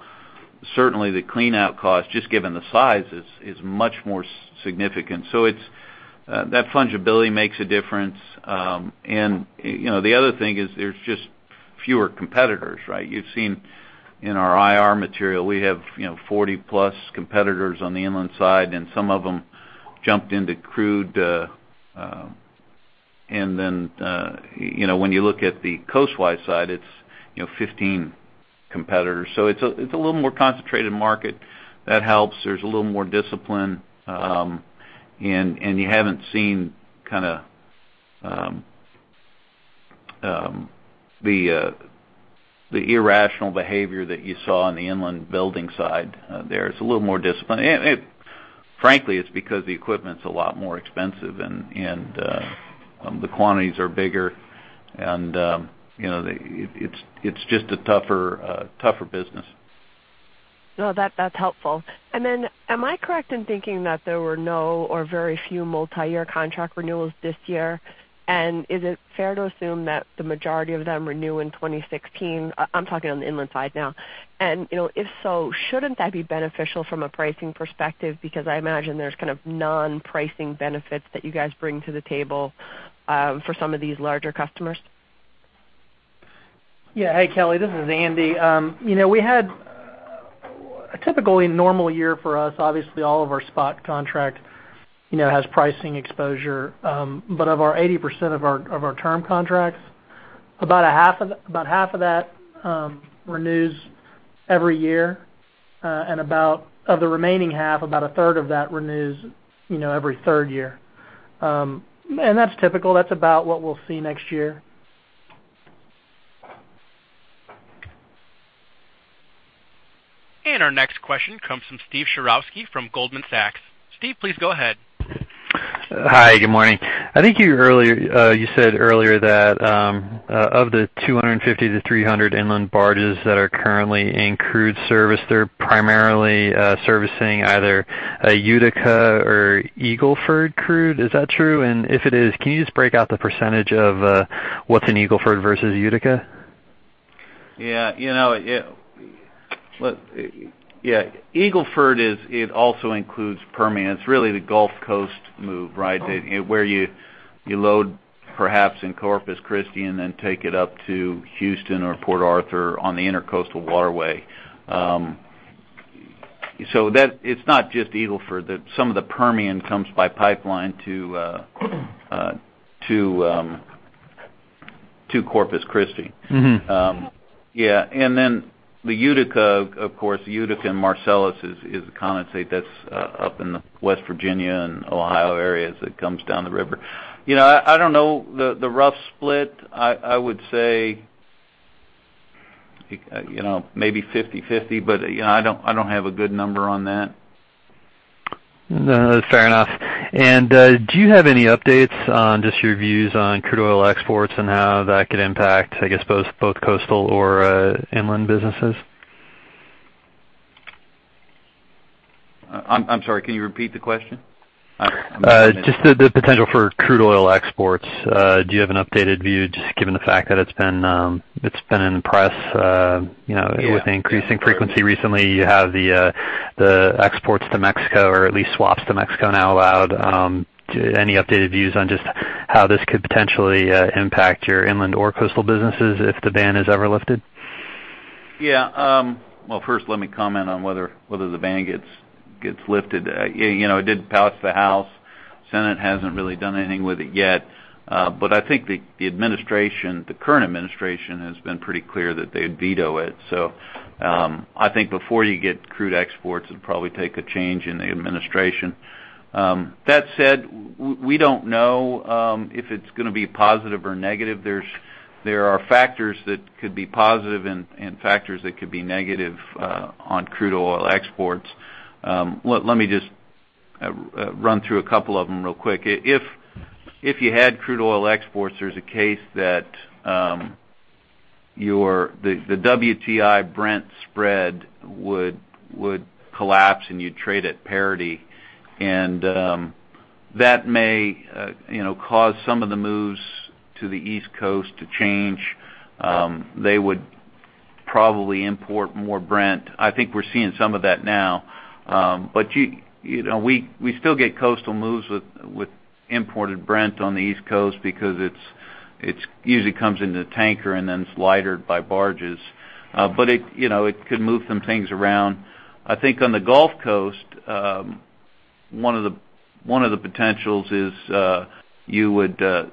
Certainly, the clean out cost, just given the size, is much more significant. So it's that fungibility makes a difference and the other thing is there's just fewer competitors, right. You've seen in our IR material, we have 40-plus competitors on the inland side and some of them jumped into crude and then when you look at the coastwide side, it's 15 competitors. So it's a little more concentrated market. That helps. There's a little more discipline and you haven't seen kind of the irrational behavior that you saw on the inland building side, there. It's a little more disciplined and frankly, it's because the equipment's a lot more expensive and the quantities are bigger and it, it's just a tougher business. No, that, that's helpful and then, am I correct in thinking that there were no or very few multi-year contract renewals this year and is it fair to assume that the majority of them renew in 2016. I'm talking on the inland side now and Shouldn't that be beneficial from a pricing perspective. Because I imagine there's kind of non-pricing benefits that you guys bring to the table, for some of these larger customers. Kelly, this is Andy we had a typically normal year for us. Obviously, all of our spot contract has pricing exposure. But of our 80% of our term contracts, about half of that renews every year and of the remaining half, about a third of that renews every third year and that's typical. That's about what we'll see next year. Our next question comes from Steve Sherowski from Goldman Sachs. Steve, please go ahead. Hi, good morning. You said earlier that, of the 250 to 300 inland barges that are currently in crude service, they're primarily servicing either a Utica or Eagle Ford crude. Is that true and if it is, can you just break out the percentage of, what's in Eagle Ford versus Utica. Look, Eagle Ford is, it also includes Permian. It's really the Gulf Coast move, right. Where you load, perhaps in Corpus Christi and then take it up to Houston or Port Arthur on the Intracoastal Waterway. So that—it's not just Eagle Ford. Some of the Permian comes by pipeline to Corpus Christi and then the Utica, of course, Utica and Marcellus is a condensate that's up in the West Virginia and Ohio areas that comes down the river I don't know the rough split. Maybe 50/50, I don't have a good number on that. No, that's fair enough and, do you have any updates on just your views on crude oil exports and how that could impact, I guess, both coastal or inland businesses. I'm sorry, can you repeat the question. I missed it. Just the potential for crude oil exports. Do you have an updated view, just given the fact that it's been in the press with increasing frequency recently. You have the exports to Mexico or at least swaps to Mexico now allowed. Any updated views on just how this could potentially impact your inland or coastal businesses if the ban is ever lifted. First let me comment on whether the ban gets lifted it did pass the House. Senate hasn't really done anything with it yet the administration, the current administration, has been pretty clear that they'd veto it. Before you get crude exports, it'd probably take a change in the administration. That said, we don't know if it's gonna be positive or negative. There are factors that could be positive and factors that could be negative on crude oil exports. Let me just run through a couple of them real quick. If you had crude oil exports, there's a case that the WTI Brent spread would collapse and you'd trade at parity. That may cause some of the moves to the East Coast to change. They would probably import more Brent. We're seeing some of that now. But we still get coastal moves with imported Brent on the East Coast because it's usually comes into tanker and then it's lightered by barges. But it it could move some things around on the Gulf Coast, one of the potentials is, you would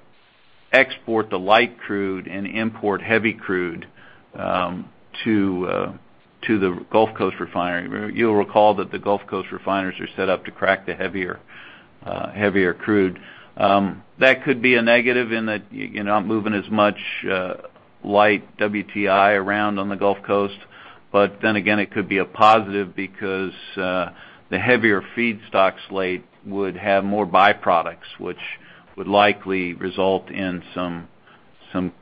export the light crude and import heavy crude to the Gulf Coast refinery. You'll recall that the Gulf Coast refineries are set up to crack the heavier crude. That could be a negative in that, you're not moving as much light WTI around on the Gulf Coast. But then again, it could be a positive because the heavier feedstock slate would have more byproducts, which would likely result in some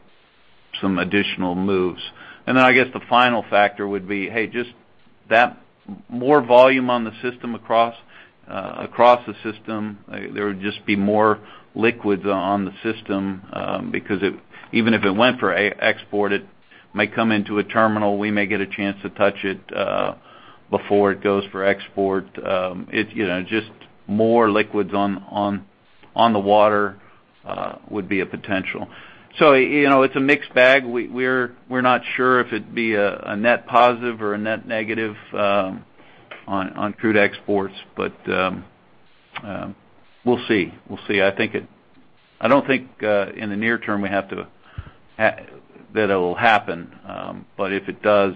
additional moves and then I guess the final factor would be, hey, just that more volume on the system across the system, there would just be more liquids on the system, because it even if it went for export, it may come into a terminal. We may get a chance to touch it before it goes for export just more liquids on the water would be a potential. It's a mixed bag. We're not sure if it'd be a net positive or a net negative on crude exports, but we'll see. We'll see. I don't think in the near term we have to that it'll happen. But if it does,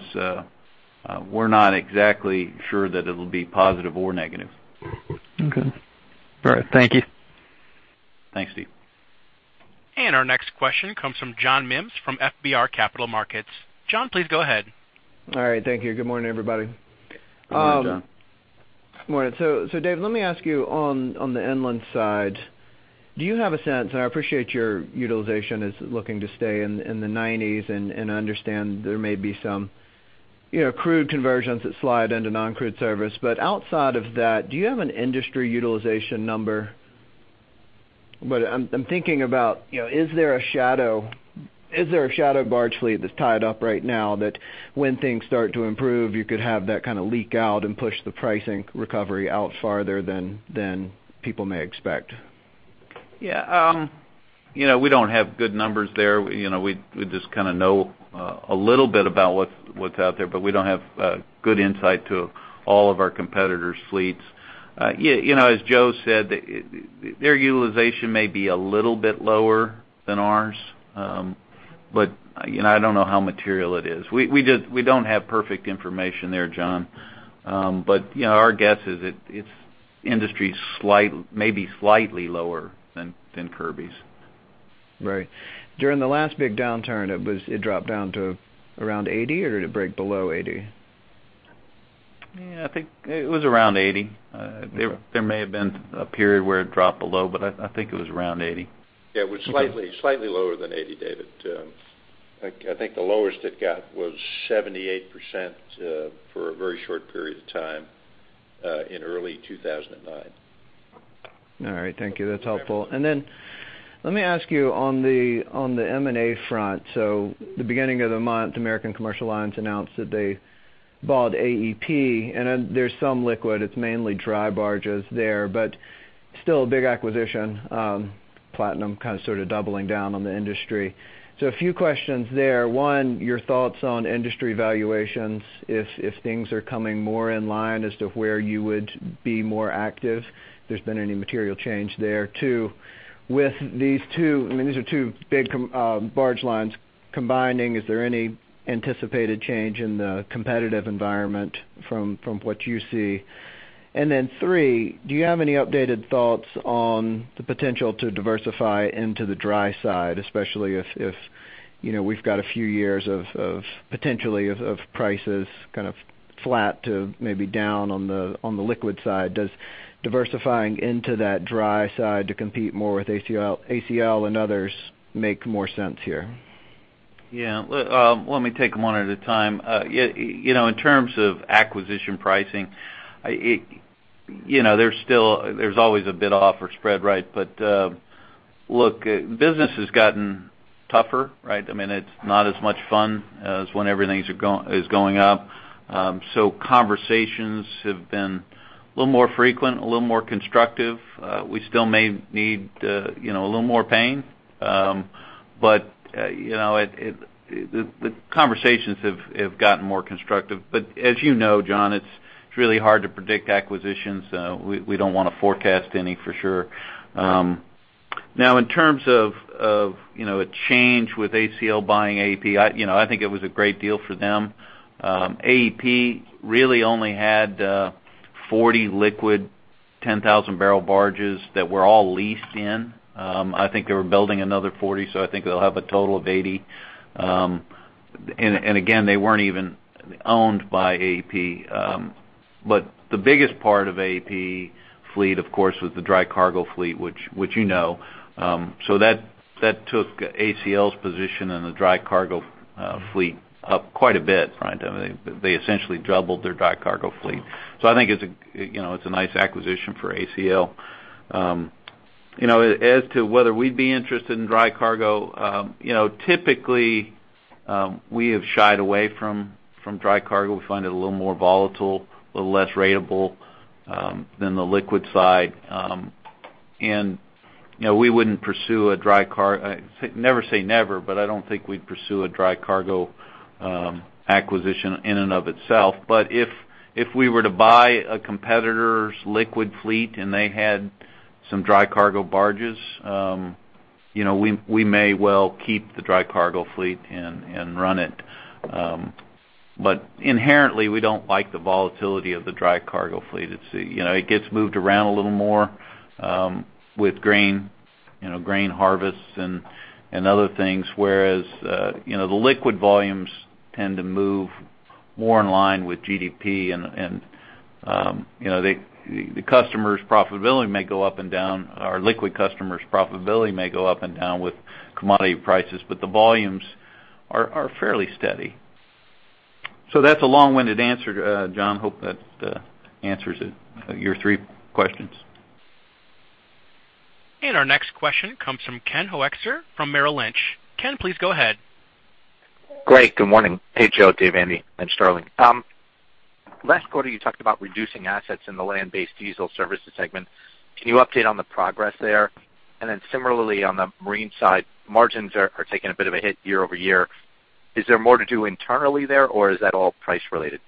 we're not exactly sure that it'll be positive or negative. All right. Thank you. Thanks, Steve. Our next question comes from John Mims from FBR Capital Markets. John, please go ahead. All right, thank you. Good morning, everybody. Good morning, John. Good morning. So David, let me ask you on the inland side, do you have sense and i appreciate your utilization is looking to stay in the 90s and I understand there may be some crude conversions that slide into non-crude service. But outside of that, do you have an industry utilization number. But I'm thinking about is there a shadow barge fleet that's tied up right now, that when things start to improve, you could have that kind of leak out and push the pricing recovery out farther than people may expect. We don't have good numbers there we just kind of know a little bit about what's out there, but we don't have good insight to all of our competitors' fleets. As Joe said, their utilization may be a little bit lower than ours, but I don't know how material it is. We just don't have perfect information there, John. Our guess is it's industry's slightly maybe slightly lower than Kirby's. During the last big downturn, it was, it dropped down to around 80, or did it break below 80. It was around 80. There may have been a period where it dropped below it was around 80. It was slightly, slightly lower than 80, David, the lowest it got was 78% for a very short period of time in early 2009. All right. Thank you. That's helpful and then let me ask you on the M&A front. So the beginning of the month, American Commercial Lines announced that they bought AEP and then there's some liquid, it's mainly dry barges there, but still a big acquisition, Platinum Equity kind of, sort of doubling down on the industry. So a few questions there. One, your thoughts on industry valuations, if things are coming more in line as to where you would be more active, if there's been any material change there. Two, with these two, I mean, these are two big barge lines combining, is there any anticipated change in the competitive environment from what you see. And then three, do you have any updated thoughts on the potential to diversify into the dry side, especially if you know we've got a few years of potentially prices kind of flat to maybe down on the liquid side. Does diversifying into that dry side to compete more with ACL and others make more sense here. Let me take them one at a time. In terms of acquisition pricing, there's stil there's always a bid-offer spread, right. But look, business has gotten tougher, right. I mean, it's not as much fun as when everything's going up. So conversations have been a little more frequent, a little more constructive. We still may need a little more pain. But the conversations have gotten more constructive. John, it's really hard to predict acquisitions. We don't want to forecast any for sure. Now, in terms of a change with ACL buying AEP, it was a great deal for them. AEP really only had 40 liquid, 10,000-barrel barges that were all leased in. They were building another 40, They'll have a total of 80 and again, they weren't even owned by AEP. But the biggest part of AEP fleet, of course, was the dry cargo fleet, which you know. So that took ACL's position in the dry cargo fleet up quite a bit, right. I mean, they essentially doubled their dry cargo fleet. It's it's a nice acquisition for ACL as to whether we'd be interested in dry cargo typically we have shied away from dry cargo. We find it a little more volatile, a little less ratable than the liquid side. and we wouldn't pursue a dry cargo, never say never, but I don't think we'd pursue a dry cargo acquisition in and of itself. But if, if we were to buy a competitor's liquid fleet and they had some dry cargo barges we, we may well keep the dry cargo fleet and and run it. But inherently, we don't like the volatility of the dry cargo fleet. it's it gets moved around a little more, with grain grain harvests and and, other things. whereas the liquid volumes tend to move more in line with and and the, the customer's profitability may go up and down, our liquid customers' profitability may go up and down with commodity prices, but the volumes are, are fairly steady. That's a long-winded answer, John. Hope that answers it, your three questions. Our next question comes from Ken Hoexter from Merrill Lynch. Ken, please go ahead. Great, good morning. Joe, Andy and Sterling. Last quarter, you talked about reducing assets in the land-based diesel services segment. Can you update on the progress there and then similarly, on the marine side, margins are taking a bit of a hit year-over-year. Is there more to do internally there, or is that all price-related.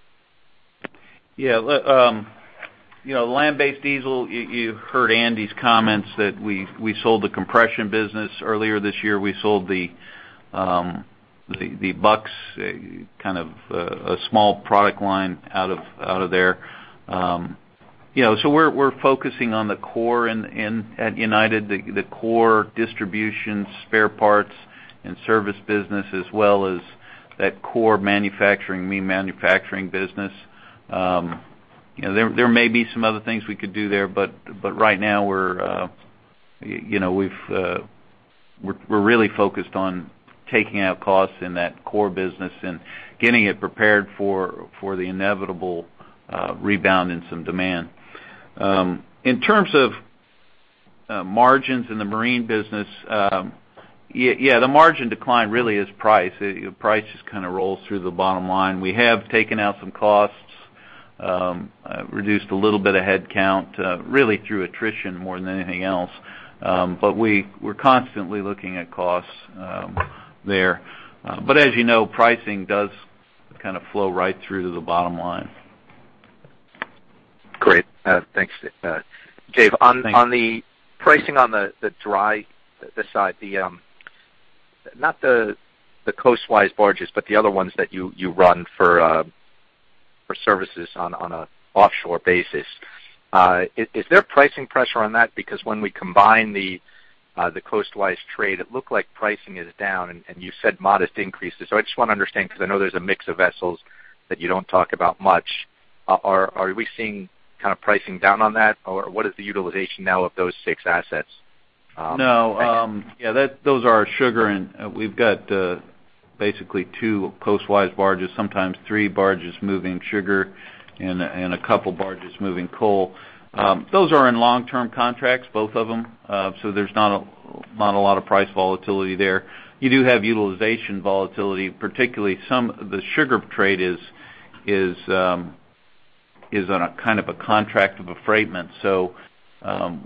Look, Land-based diesel. You heard Andy's comments that we sold the compression business earlier this year. We sold the bucks, kind of, a small product line out of there so we're focusing on the core in at United, the core distribution, spare parts and service business, as well as that core manufacturing business. There may be some other things we could do there, but right now we're really focused on taking out costs in that core business and getting it prepared for the inevitable rebound in some demand. In terms of margins in the marine business, the margin decline really is price. Price just kind of rolls through the bottom line. We have taken out some costs, reduced a little bit of headcount, really through attrition more than anything else. But we're constantly looking at costs, there. But as pricing does kind of flow right through to the bottom line. Great. Thanks. Dave, on the pricing on the dry side, not the coastwise barges, but the other ones that you run for services on a offshore basis, is there pricing pressure on that. Because when we combine the coastwise trade, it looked like pricing is down and you said modest increases. So I just want to understand, because I know there's a mix of vessels that you don't talk about much. Are we seeing kind of pricing down on that, or what is the utilization now of those six assets. No, those are our sugar and we've got basically two coastwise barges, sometimes three barges moving sugar and a couple barges moving coal. Those are in long-term contracts, both of them, so there's not a lot of price volatility there. You do have utilization volatility, particularly some. The sugar trade is on a kind of a contract of affreightment.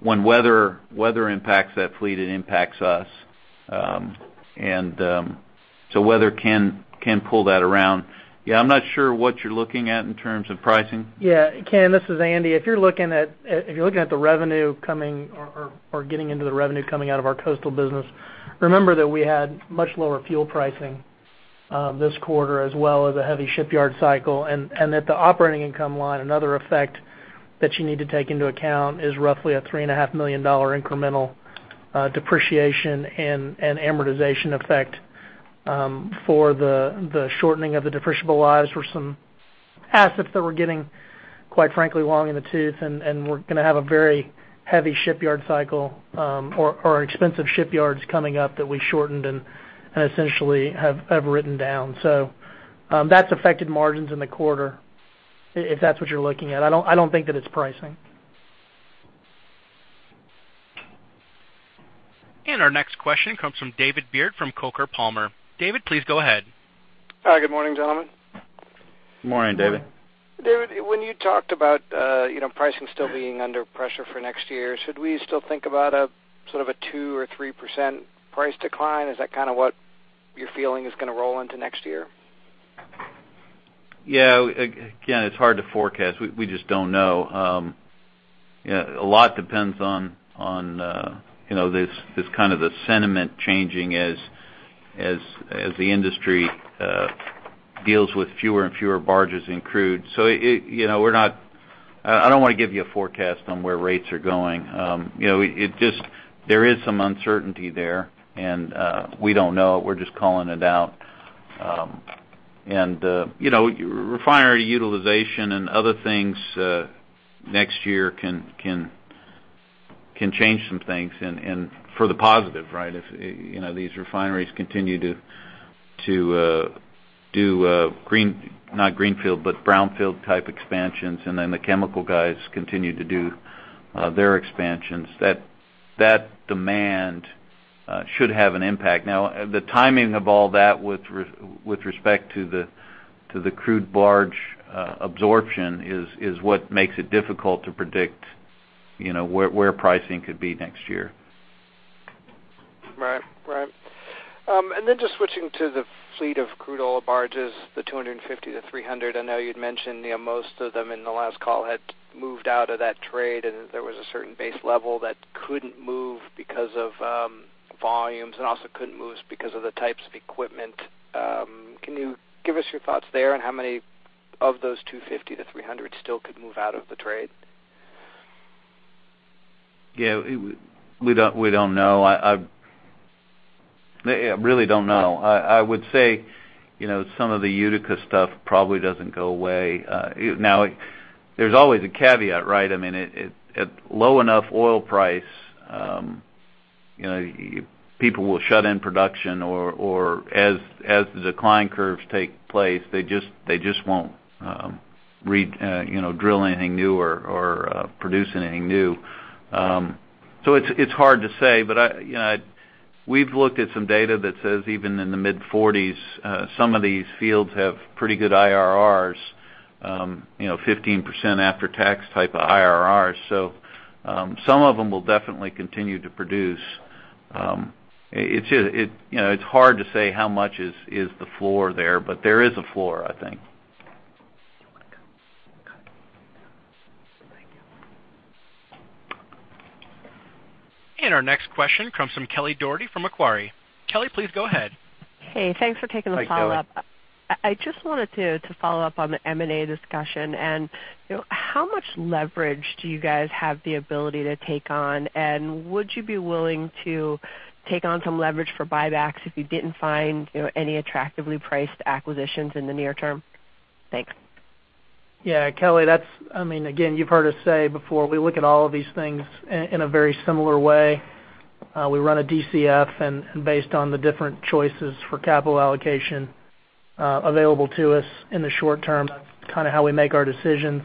When weather impacts that fleet, it impacts us and so weather can pull that around. I'm not sure what you're looking at in terms of pricing. Ken, this is Andy. If you're looking at the revenue coming or getting into the revenue coming out of our coastal business, remember that we had much lower fuel pricing this quarter, as well as a heavy shipyard cycle and that the operating income line, another effect that you need to take into account is roughly a $3.5 million incremental depreciation and amortization effect for the shortening of the depreciable lives for some assets that were getting, quite frankly, long in the tooth and we're gonna have a very heavy shipyard cycle or expensive shipyards coming up that we shortened and essentially have written down. That's affected margins in the quarter, if that's what you're looking at. I don't think that it's pricing. Our next question comes from David Beard from Coker Palmer. David, please go ahead. Hi, good morning, gentlemen. Good morning, David. David, when you talked about pricing still being under pressure for next year, should we still think about a sort of a 2%-3% price decline. Is that kind of what you're feeling is gonna roll into next year. Again, it's hard to forecast. We just don't know. A lot depends on this kind of the sentiment changing as the industry deals with fewer and fewer barges in crude. So it we're not. I don't wanna give you a forecast on where rates are going it just. There is some uncertainty there and we don't know. We're just calling it out and refinery utilization and other things next year can change some things and for the positive, right. If these refineries continue to do green, not greenfield, but brownfield-type expansions and then the chemical guys continue to do their expansions, that demand should have an impact. Now, the timing of all that with respect to the crude barge absorption is what makes it difficult to predict where pricing could be next year. Right. right and then just switching to the fleet of crude oil barges, the 250 to 300. I know you'd mentioned most of them in the last call had moved out of that trade and there was a certain base level that couldn't move because of volumes and also couldn't move because of the types of equipment. Can you give us your thoughts there and how many of those 250 to 300 still could move out of the trade. We don't know. I really don't know. I would say some of the Utica stuff probably doesn't go away. Now, there's always a caveat, right. I mean, at low enough oil price people will shut in production or as the decline curves take place, they just won't drill anything new or produce anything new. So it's hard to say, but we've looked at some data that says even in the mid-$40s, some of these fields have pretty good IRRs 15% after-tax type of IRRs. Some of them will definitely continue to produce. It's just hard to say how much is the floor there, but there is a floor. Our next question comes from Kelly Dougherty from Macquarie. Kelly, please go ahead. Thanks for taking the follow-up. Hi, Kelly. I just wanted to follow up on the M&A discussion and how much leverage do you guys have the ability to take on and would you be willing to take on some leverage for buybacks if you didn't find any attractively priced acquisitions in the near term. Thanks. Kelly, You've heard us say before, we look at all of these things in a very similar way. We run a DCF and based on the different choices for capital allocation available to us in the short term, that's kind of how we make our decisions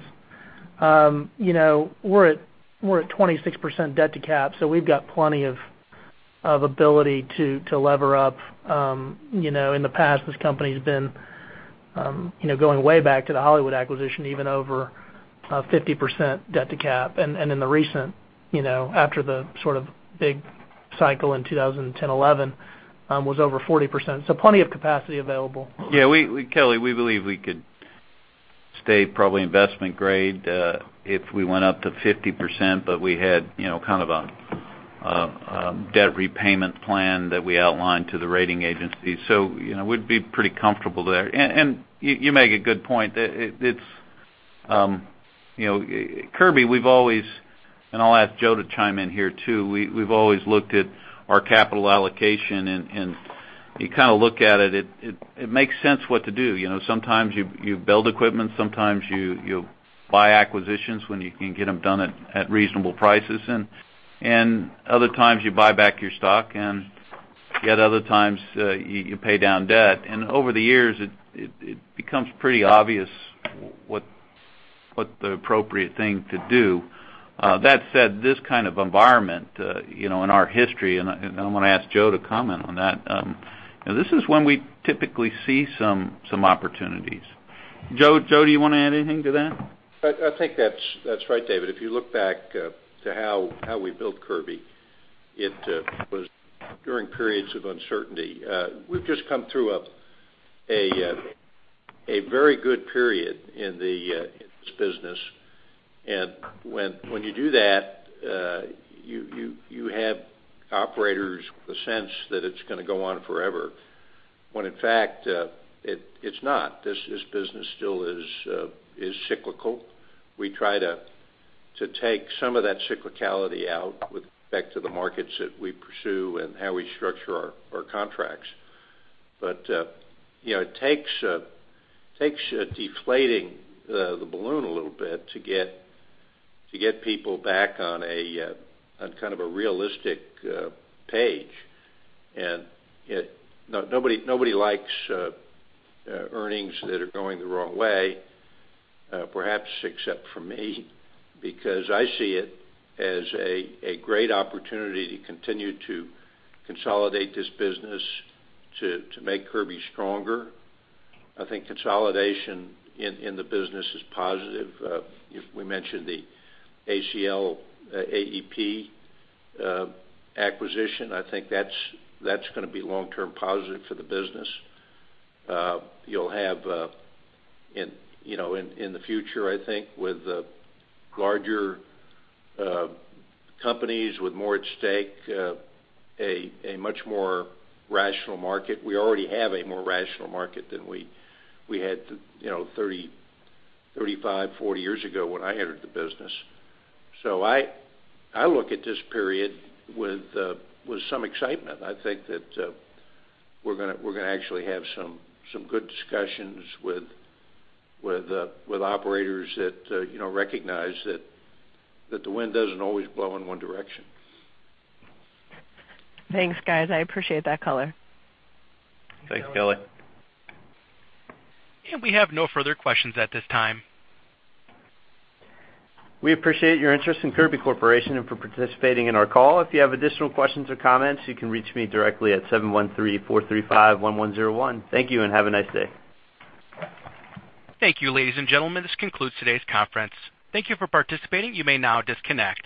we're at 26% debt to cap, so we've got plenty of ability to lever up in the past, this company's been going way back to the Hollywood acquisition, even over 50% debt to cap and in the recent after the sort of big cycle in 2010, 2011, was over 40%. So plenty of capacity available. Kelly, we believe we could stay probably investment grade if we went up to 50%, but we had kind of a debt repayment plan that we outlined to the rating agency. We'd be pretty comfortable there and you make a good point. it's Kirby, we've always and I'll ask Joe to chime in here, too, we've always looked at our capital allocation and you kind of look at it. It makes sense what to do sometimes you build equipment, sometimes you buy acquisitions when you can get them done at reasonable prices and other times, you buy back your stock and yet other times, you pay down debt. Over the years, it becomes pretty obvious what the appropriate thing to do. That said, this kind of environment in our history and I'm gonna ask Joe to comment on that. This is when we typically see some opportunities. Joe, do you want to add anything to that. That's right, David. If you look back to how we built Kirby, it was during periods of uncertainty. We've just come through a very good period in this business and when you do that, you have operators the sense that it's gonna go on forever, when in fact, it it's not. This business still is cyclical. We try to take some of that cyclicality out with respect to the markets that we pursue and how we structure our contracts. But it takes a deflating the balloon a little bit to get people back on kind of a realistic page and it... Nobody likes earnings that are going the wrong way, perhaps except for me, because I see it as a great opportunity to continue to consolidate this business to make Kirby stronger. Consolidation in the business is positive. If we mentioned the ACL, AEP acquisition that's gonna be long-term positive for the business. You'll have in the future with the larger companies with more at stake, a much more rational market. We already have a more rational market than we had 30, 35, 40 years ago when I entered the business. So I look at this period with some excitement. That we're gonna actually have some good discussions with operators that you know recognize that the wind doesn't always blow in one direction. Thanks, guys. I appreciate that color. Thanks, Kelly. We have no further questions at this time. We appreciate your interest in Kirby Corporation and for participating in our call. If you have additional questions or comments, you can reach me directly at 713-435-1101. Thank you and have a nice day. Thank you, ladies and gentlemen. This concludes today's conference. Thank you for participating. You may now disconnect.